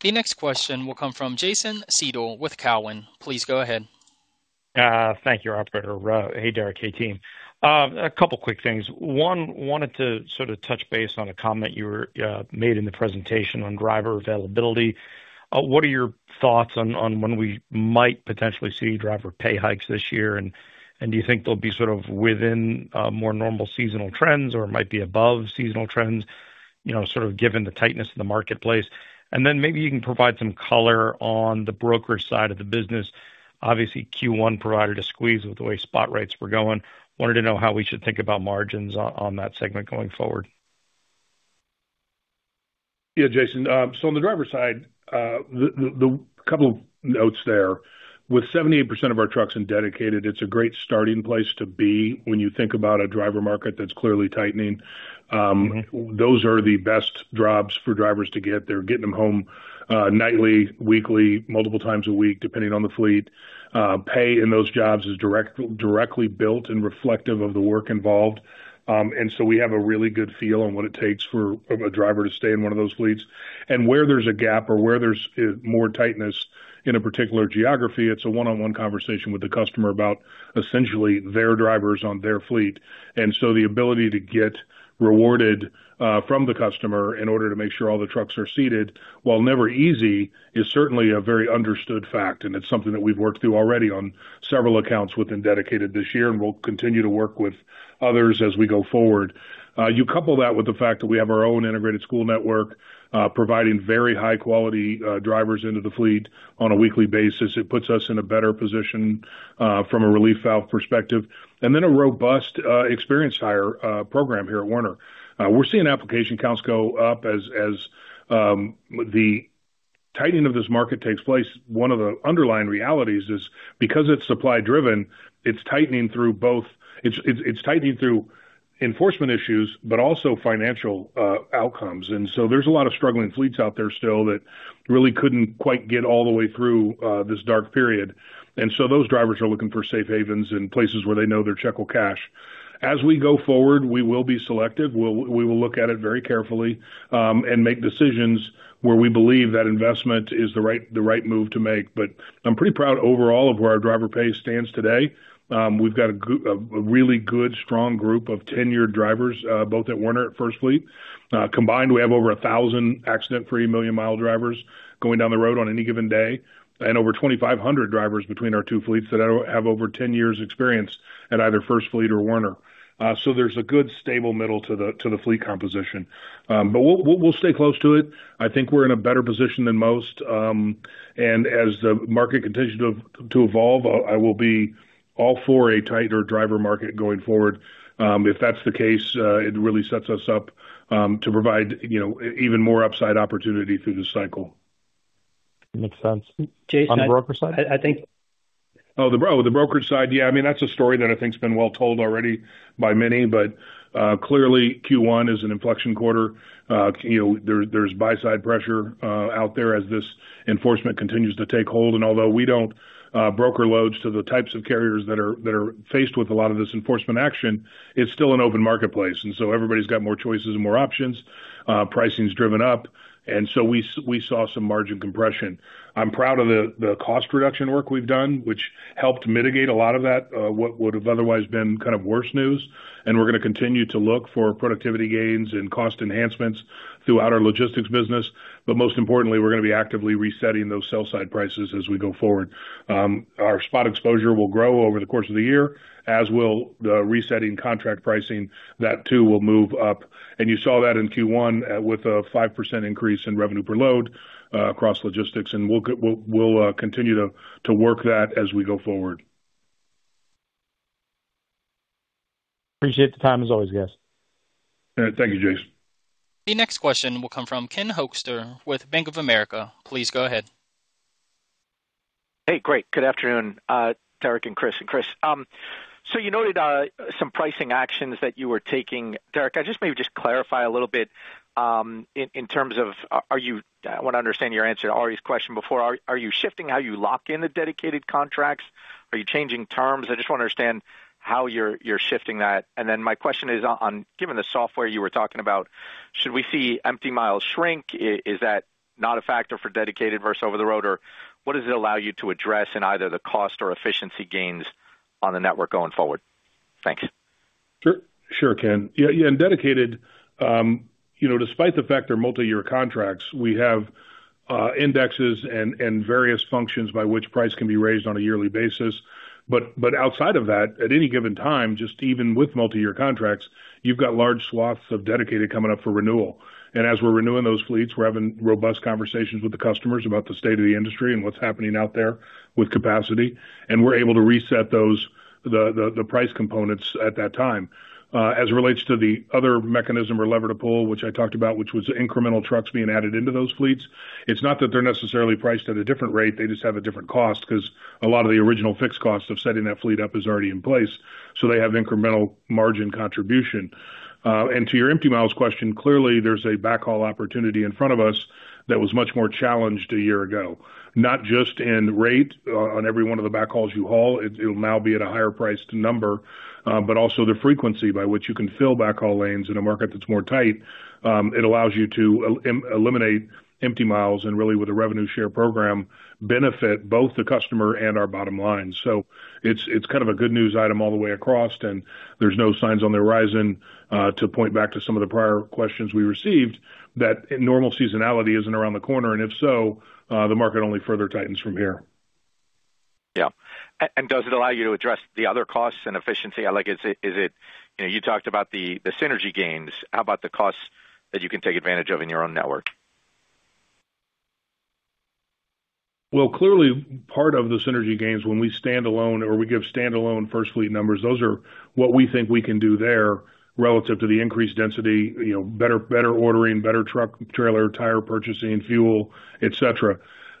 The next question will come from Jason Seidl with Cowen. Please go ahead. Thank you, operator. Hey, Derek. Hey, team. A couple quick things. One, wanted to sort of touch base on a comment you were made in the presentation on driver availability. What are your thoughts on when we might potentially see driver pay hikes this year? Do you think they'll be sort of within more normal seasonal trends or might be above seasonal trends, you know, sort of given the tightness in the marketplace? Maybe you can provide some color on the broker side of the business. Obviously, Q1 provided a squeeze with the way spot rates were going. Wanted to know how we should think about margins on that segment going forward. Yeah, Jason. On the driver side, the couple of notes there. With 78% of our trucks in dedicated, it's a great starting place to be when you think about a driver market that's clearly tightening. Mm-hmm. Those are the best jobs for drivers to get. They're getting them home, nightly, weekly, multiple times a week, depending on the fleet. Pay in those jobs is directly built and reflective of the work involved. We have a really good feel on what it takes for a driver to stay in one of those fleets. Where there's a gap or where there's more tightness in a particular geography, it's a one-on-one conversation with the customer about essentially their drivers on their fleet. The ability to get rewarded from the customer in order to make sure all the trucks are seated, while never easy, is certainly a very understood fact, and it's something that we've worked through already on several accounts within Dedicated this year, and we'll continue to work with others as we go forward. You couple that with the fact that we have our own integrated school network, providing very high quality drivers into the fleet on a weekly basis. It puts us in a better position from a relief valve perspective. A robust experienced hire program here at Werner. We're seeing application counts go up as the tightening of this market takes place. One of the underlying realities is because it's supply-driven, it's tightening through enforcement issues, but also financial outcomes. There's a lot of struggling fleets out there still that really couldn't quite get all the way through this dark period. Those drivers are looking for safe havens and places where they know their check will cash. As we go forward, we will be selective. We will look at it very carefully and make decisions where we believe that investment is the right move to make. I'm pretty proud overall of where our driver pay stands today. We've got a really good, strong group of tenured drivers, both at Werner, at FirstFleet. Combined, we have over 1,000 accident-free million-mile drivers going down the road on any given day, and over 2,500 drivers between our two fleets that have over 10 years experience at either FirstFleet or Werner. There's a good stable middle to the fleet composition. We'll stay close to it. I think we're in a better position than most, as the market continues to evolve, I will be all for a tighter driver market going forward. If that's the case, it really sets us up to provide even more upside opportunity through the cycle. Makes sense. Jason— Oh, the brokerage side. Yeah, I mean, that's a story that I think's been well told already by many, but clearly Q1 is an inflection quarter. You know, there's buy-side pressure out there as this enforcement continues to take hold. Although we don't broker loads to the types of carriers that are faced with a lot of this enforcement action, it's still an open marketplace. Everybody's got more choices and more options. Pricing's driven up. We saw some margin compression. I'm proud of the cost reduction work we've done, which helped mitigate a lot of that, what would have otherwise been kind of worse news. We're going to continue to look for productivity gains and cost enhancements throughout our logistics business. Most importantly, we're going to be actively resetting those sell side prices as we go forward. Our spot exposure will grow over the course of the year, as will the resetting contract pricing. That too, will move up. You saw that in Q1 with a 5% increase in revenue per load across logistics. We'll continue to work that as we go forward. Appreciate the time as always, guys. Thank you, Jason. The next question will come from Ken Hoexter with Bank of America. Please go ahead. Hey, great. Good afternoon, Derek and Chris. Chris, you noted some pricing actions that you were taking. Derek, can I just maybe just clarify a little bit in terms of I want to understand your answer to Ari's question before. Are you shifting how you lock in the dedicated contracts? Are you changing terms? I just want to understand how you're shifting that. My question is on given the software you were talking about, should we see empty miles shrink? Is that not a factor for dedicated versus over-the-road? What does it allow you to address in either the cost or efficiency gains on the network going forward? Thanks. Sure. Sure, Ken. Yeah, in dedicated, you know, despite the fact they're multi-year contracts, we have indexes and various functions by which price can be raised on a yearly basis. Outside of that, at any given time, just even with multi-year contracts, you've got large swaths of dedicated coming up for renewal. As we're renewing those fleets, we're having robust conversations with the customers about the state of the industry and what's happening out there with capacity. We're able to reset those, the price components at that time. As it relates to the other mechanism or lever to pull, which I talked about, which was incremental trucks being added into those fleets, it's not that they're necessarily priced at a different rate, they just have a different cost because a lot of the original fixed cost of setting that fleet up is already in place, so they have incremental margin contribution. To your empty miles question, clearly there's a backhaul opportunity in front of us that was much more challenged a year ago. Not just in rate on every one of the backhauls you haul, it'll now be at a higher priced number, but also the frequency by which you can fill backhaul lanes in a market that's more tight. It allows you to eliminate empty miles and really, with a revenue share program, benefit both the customer and our bottom line. It's, it's kind of a good news item all the way across, and there's no signs on the horizon to point back to some of the prior questions we received, that normal seasonality isn't around the corner, and if so, the market only further tightens from here. Yeah. Does it allow you to address the other costs and efficiency? Like, is it? You know, you talked about the synergy gains. How about the costs that you can take advantage of in your own network? Well, clearly part of the synergy gains when we stand alone or we give standalone FirstFleet numbers, those are what we think we can do there relative to the increased density, you know, better ordering, better truck, trailer, tire purchasing, fuel, et cetera.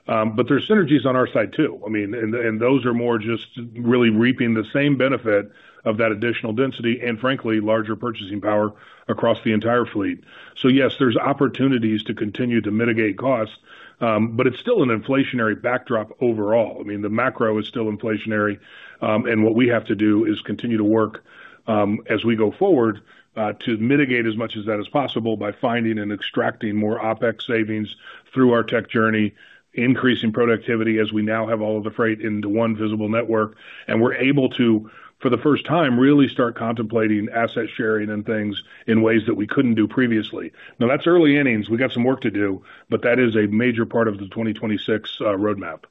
There's synergies on our side too. I mean, and those are more just really reaping the same benefit of that additional density and frankly, larger purchasing power across the entire fleet. Yes, there's opportunities to continue to mitigate costs, but it's still an inflationary backdrop overall. I mean, the macro is still inflationary. What we have to do is continue to work as we go forward to mitigate as much as that is possible by finding and extracting more OpEx savings through our tech journey, increasing productivity as we now have all of the freight into one visible network. We're able to, for the first time, really start contemplating asset sharing and things in ways that we couldn't do previously. That's early innings. We got some work to do, that is a major part of the 2026 roadmap.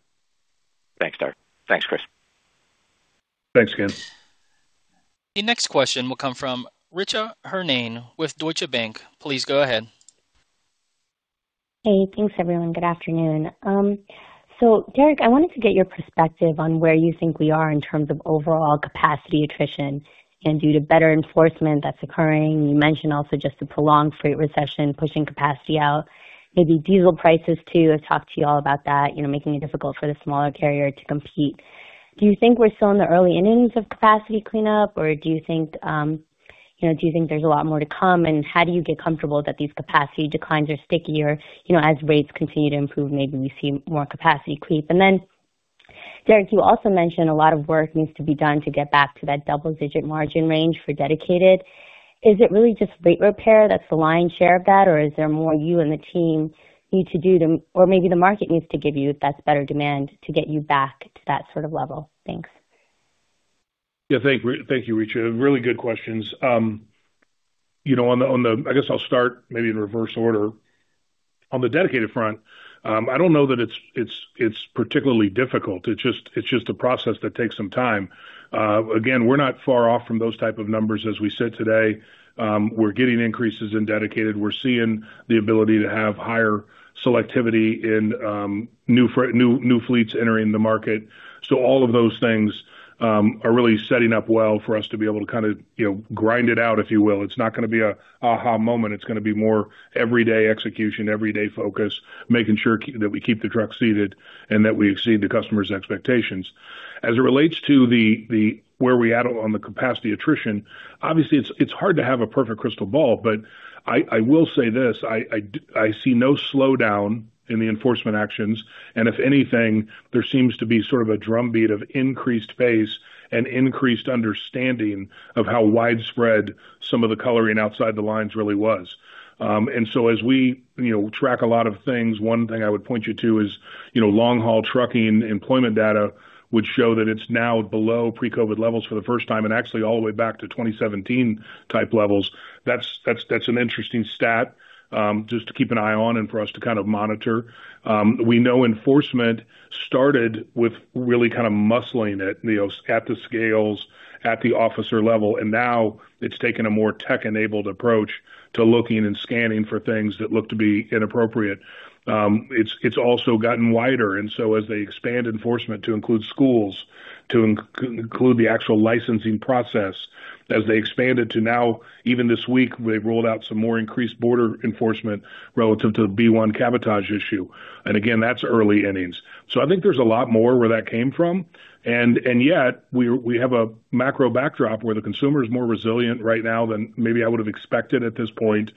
Thanks, Derek. Thanks, Chris. Thanks, Ken. The next question will come from Richa Harnain with Deutsche Bank. Please go ahead. Hey, thanks, everyone. Good afternoon. Derek, I wanted to get your perspective on where you think we are in terms of overall capacity attrition and due to better enforcement that's occurring. You mentioned also just the prolonged freight recession pushing capacity out, maybe diesel prices too. I've talked to you all about that, you know, making it difficult for the smaller carrier to compete. Do you think we're still in the early innings of capacity cleanup, or do you think, you know, do you think there's a lot more to come, and how do you get comfortable that these capacity declines are stickier, you know, as rates continue to improve, maybe we see more capacity creep? Derek, you also mentioned a lot of work needs to be done to get back to that double-digit margin range for Dedicated. Is it really just rate repair that's the lion's share of that, or is there more you and the team need to do or maybe the market needs to give you if that's better demand to get you back to that sort of level? Thanks. Yeah, thank you, Richa. Really good questions. You know, I guess I'll start maybe in reverse order. On the dedicated front, I don't know that it's particularly difficult. It's just a process that takes some time. Again, we're not far off from those type of numbers, as we said today. We're getting increases in dedicated. We're seeing the ability to have higher selectivity in new fleets entering the market. All of those things are really setting up well for us to be able to kind of, you know, grind it out, if you will. It's not gonna be a aha moment. It's gonna be more everyday execution, everyday focus, making sure that we keep the truck seated and that we exceed the customer's expectations. As it relates to the where we at on the capacity attrition, obviously it's hard to have a perfect crystal ball, but I see no slowdown in the enforcement actions, and if anything, there seems to be sort of a drumbeat of increased pace and increased understanding of how widespread some of the coloring outside the lines really was. As we, you know, track a lot of things, one thing I would point you to is, you know, long-haul trucking employment data would show that it's now below pre-COVID levels for the first time and actually all the way back to 2017 type levels. That's an interesting stat just to keep an eye on and for us to kind of monitor. We know enforcement started with really kind of muscling it, you know, at the scales, at the officer level. Now it's taken a more tech-enabled approach to looking and scanning for things that look to be inappropriate. It's also gotten wider. As they expand enforcement to include schools, to include the actual licensing process, as they expand it to now, even this week, they've rolled out some more increased border enforcement relative to the B-1 cabotage issue. Again, that's early innings. I think there's a lot more where that came from. Yet we have a macro backdrop where the consumer is more resilient right now than maybe I would have expected at this point.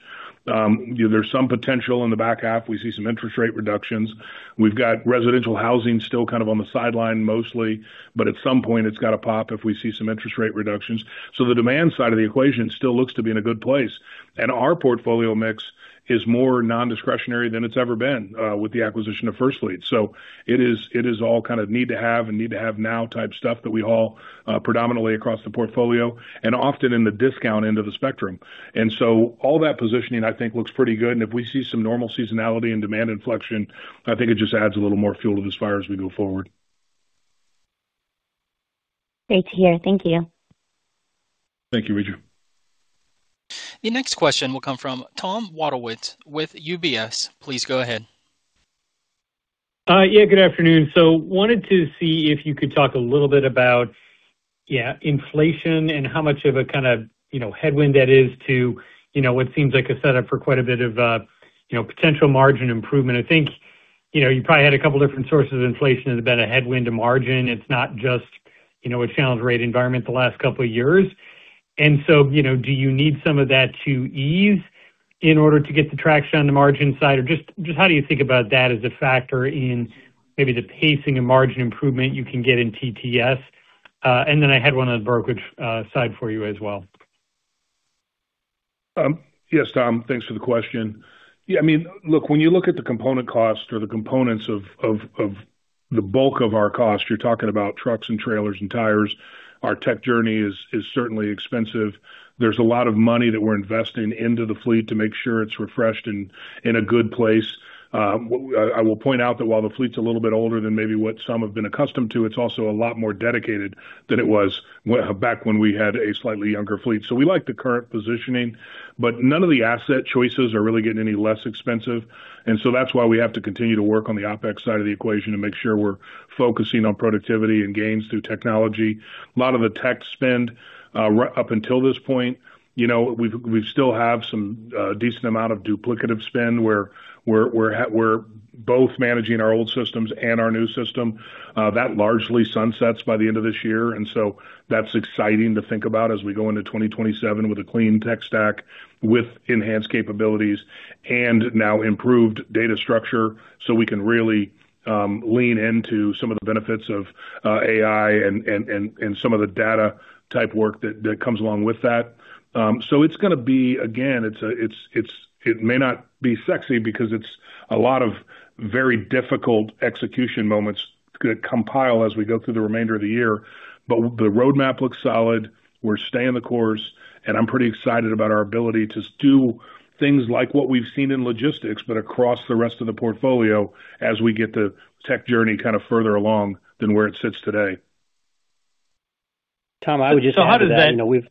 You know, there's some potential in the back half. We see some interest rate reductions. We've got residential housing still kind of on the sideline mostly, but at some point, it's got to pop if we see some interest rate reductions. The demand side of the equation still looks to be in a good place. Our portfolio mix is more non-discretionary than it's ever been with the acquisition of FirstFleet. It is all kind of need to have and need to have now type stuff that we haul predominantly across the portfolio and often in the discount end of the spectrum. All that positioning I think looks pretty good. If we see some normal seasonality and demand inflection, I think it just adds a little more fuel to this fire as we go forward. Great to hear. Thank you. Thank you, Richa. The next question will come from Tom Wadewitz with UBS. Please go ahead. Good afternoon. Wanted to see if you could talk a little bit about, yeah, inflation and how much of a kind of, you know, headwind that is to, you know, what seems like a setup for quite a bit of, you know, potential margin improvement. I think, you know, you probably had a couple different sources of inflation that have been a headwind to margin. It's not just, you know, a challenge rate environment the last couple of years. Do you need some of that to ease in order to get the traction on the margin side? Or just how do you think about that as a factor in maybe the pacing and margin improvement you can get in TTS? Then I had one on the brokerage side for you as well. Yes, Tom. Thanks for the question. I mean, look, when you look at the component cost or the components of the bulk of our cost, you're talking about trucks and trailers and tires. Our tech journey is certainly expensive. There's a lot of money that we're investing into the fleet to make sure it's refreshed and in a good place. I will point out that while the fleet's a little bit older than maybe what some have been accustomed to, it's also a lot more dedicated than it was back when we had a slightly younger fleet. We like the current positioning. None of the asset choices are really getting any less expensive. That's why we have to continue to work on the OpEx side of the equation to make sure we're focusing on productivity and gains through technology. A lot of the tech spend, up until this point, you know, we've, we still have some decent amount of duplicative spend where we're both managing our old systems and our new system. That largely sunsets by the end of this year, and so that's exciting to think about as we go into 2027 with a clean tech stack with enhanced capabilities and now improved data structure, so we can really lean into some of the benefits of AI and some of the data type work that comes along with that. It's gonna be, again, it's, it may not be sexy because it's a lot of very difficult execution moments compile as we go through the remainder of the year. The roadmap looks solid. We're staying the course, and I'm pretty excited about our ability to do things like what we've seen in logistics, but across the rest of the portfolio as we get the tech journey kind of further along than where it sits today. Tom, I would just add to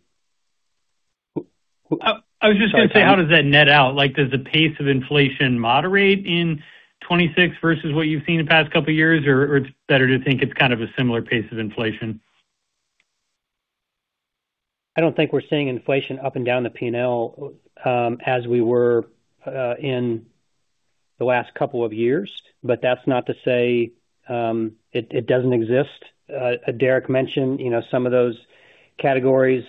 that, I was just going to say, how does that net out? Like, does the pace of inflation moderate in 2026 versus what you've seen the past couple of years? Or it's better to think it's kind of a similar pace of inflation? I don't think we're seeing inflation up and down the P&L, as we were in the last couple of years. That's not to say it doesn't exist. Derek mentioned, you know, some of those categories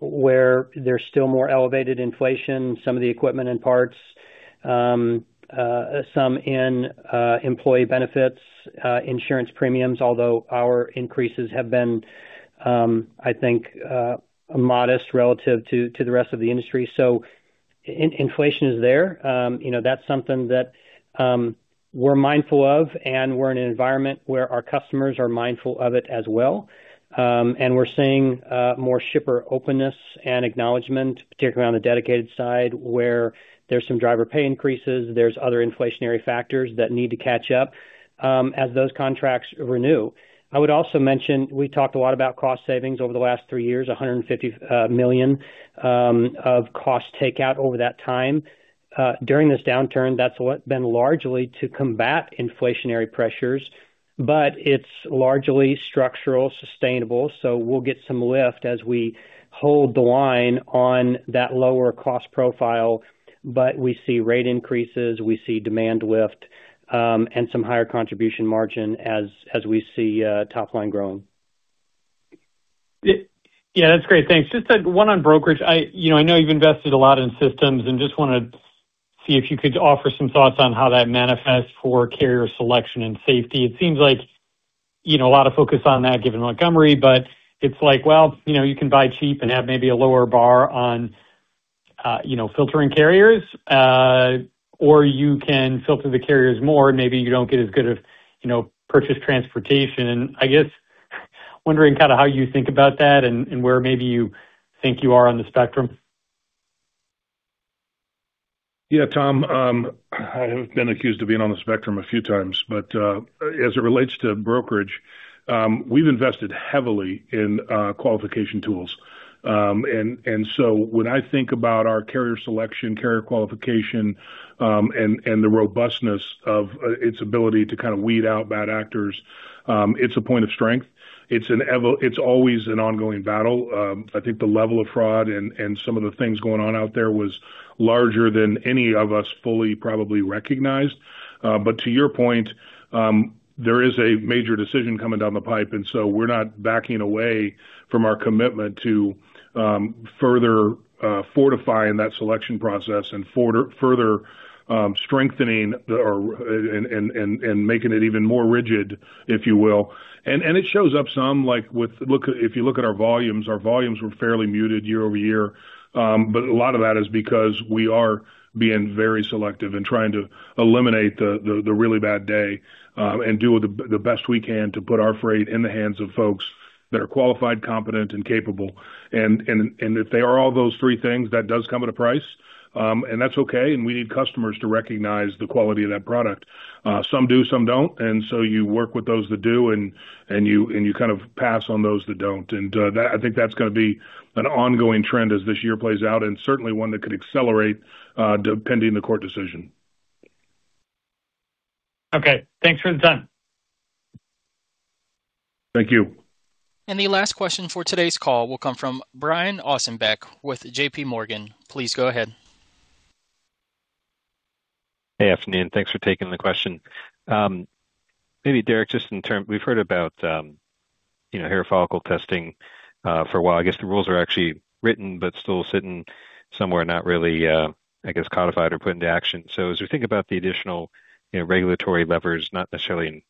where there's still more elevated inflation, some of the equipment and parts, some in employee benefits, insurance premiums, although our increases have been, I think, modest relative to the rest of the industry. Inflation is there. You know, that's something that we're mindful of, and we're in an environment where our customers are mindful of it as well. We're seeing more shipper openness and acknowledgement, particularly on the dedicated side, where there's some driver pay increases, there's other inflationary factors that need to catch up as those contracts renew. I would also mention, we talked a lot about cost savings over the last three years, $150 million of cost takeout over that time. During this downturn, that's what been largely to combat inflationary pressures, it's largely structural, sustainable, we'll get some lift as we hold the line on that lower cost profile. We see rate increases, we see demand lift, and some higher contribution margin as we see top line growing. Yeah, that's great. Thanks. Just one on brokerage. I, you know, I know you've invested a lot in systems and just wanna see if you could offer some thoughts on how that manifests for carrier selection and safety. It seems like, you know, a lot of focus on that given Montgomery, but it's like, well, you know, you can buy cheap and have maybe a lower bar on, you know, filtering carriers, or you can filter the carriers more and maybe you don't get as good of, you know, purchase transportation. I guess, wondering kinda how you think about that and where maybe you think you are on the spectrum. Yeah, Tom, I have been accused of being on the spectrum a few times, but as it relates to brokerage, we've invested heavily in qualification tools. When I think about our carrier selection, carrier qualification, and the robustness of its ability to kind of weed out bad actors, it's a point of strength. It's always an ongoing battle. I think the level of fraud and some of the things going on out there was larger than any of us fully probably recognized. To your point, there is a major decision coming down the pipe, we're not backing away from our commitment to further fortifying that selection process and further strengthening or making it even more rigid, if you will. It shows up some. If you look at our volumes, our volumes were fairly muted year-over-year. A lot of that is because we are being very selective and trying to eliminate the really bad day and do the best we can to put our freight in the hands of folks that are qualified, competent and capable. If they are all those three things, that does come at a price. That's okay, and we need customers to recognize the quality of that product. Some do, some don't. You work with those that do and you kind of pass on those that don't. I think that's gonna be an ongoing trend as this year plays out, and certainly one that could accelerate, depending the court decision. Okay. Thanks for the time. Thank you. The last question for today's call will come from Brian Ossenbeck with JPMorgan. Please go ahead. Hey, afternoon. Thanks for taking the question. Maybe Derek, just we've heard about, you know, hair follicle testing for a while. I guess the rules are actually written, but still sitting somewhere, not really, I guess, codified or put into action. As we think about the additional, you know, regulatory levers, not necessarily in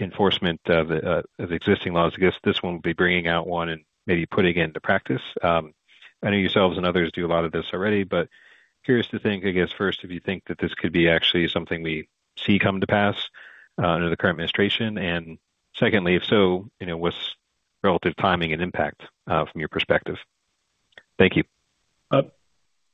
enforcement of existing laws, I guess this one will be bringing out one and maybe putting it into practice. I know yourselves and others do a lot of this already, but curious to think, I guess, first, if you think that this could be actually something we see come to pass under the current administration. Secondly, if so, you know, what's relative timing and impact from your perspective? Thank you.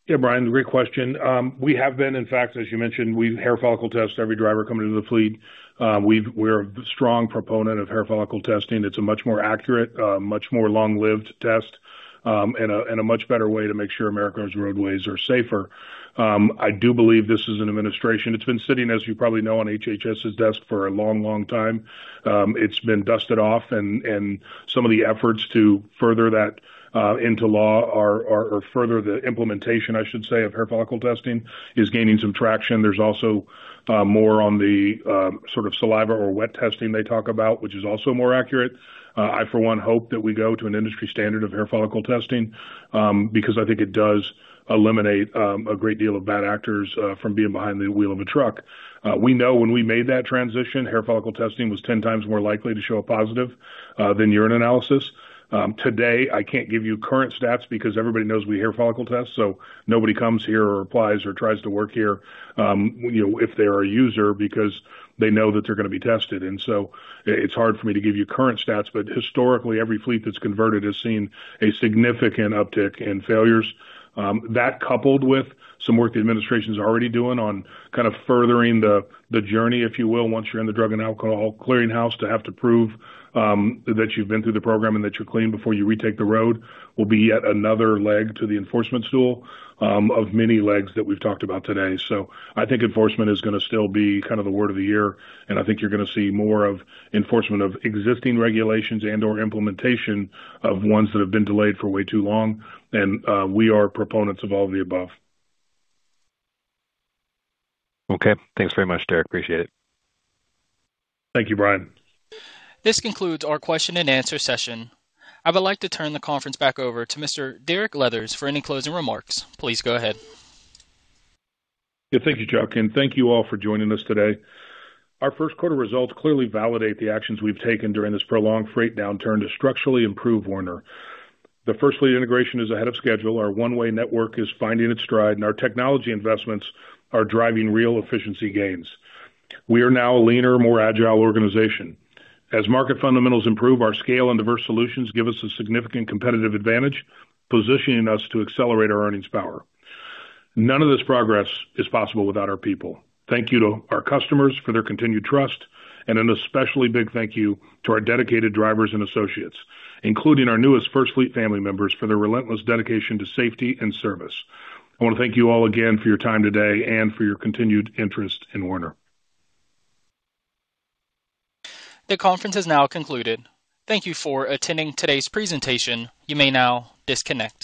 Yeah, Brian, great question. We have been, in fact, as you mentioned, we hair follicle test every driver coming into the fleet. We're a strong proponent of hair follicle testing. It's a much more accurate, much more long-lived test, and a much better way to make sure America's roadways are safer. I do believe this is an administration. It's been sitting, as you probably know, on HHS's desk for a long, long time. It's been dusted off and some of the efforts to further that into law are or further the implementation, I should say, of hair follicle testing, is gaining some traction. There's also more on the sort of saliva or wet testing they talk about, which is also more accurate. I, for one, hope that we go to an industry standard of hair follicle testing because I think it does eliminate a great deal of bad actors from being behind the wheel of a truck. We know when we made that transition, hair follicle testing was 10 times more likely to show a positive than urine analysis. Today, I can't give you current stats because everybody knows we hair follicle test, so nobody comes here or applies or tries to work here, you know, if they're a user because they know that they're gonna be tested. It's hard for me to give you current stats, but historically, every fleet that's converted has seen a significant uptick in failures. That coupled with some work the administration's already doing on kind of furthering the journey, if you will, once you're in the Drug and Alcohol Clearinghouse to have to prove that you've been through the program and that you're clean before you retake the road will be yet another leg to the enforcement stool of many legs that we've talked about today. I think enforcement is gonna still be kind of the word of the year, and I think you're gonna see more of enforcement of existing regulations and/or implementation of ones that have been delayed for way too long. We are proponents of all of the above. Okay. Thanks very much, Derek. Appreciate it. Thank you, Brian. This concludes our question and answer session. I would like to turn the conference back over to Mr. Derek Leathers for any closing remarks. Please go ahead. Yeah. Thank you, Joaquin. Thank you all for joining us today. Our first quarter results clearly validate the actions we've taken during this prolonged freight downturn to structurally improve Werner. The FirstFleet integration is ahead of schedule, our One-Way network is finding its stride, and our technology investments are driving real efficiency gains. We are now a leaner, more agile organization. As market fundamentals improve, our scale and diverse solutions give us a significant competitive advantage, positioning us to accelerate our earnings power. None of this progress is possible without our people. Thank you to our customers for their continued trust, and an especially big thank you to our dedicated drivers and associates, including our newest FirstFleet family members, for their relentless dedication to safety and service. I want to thank you all again for your time today and for your continued interest in Werner. The conference has now concluded. Thank you for attending today's presentation. You may now disconnect.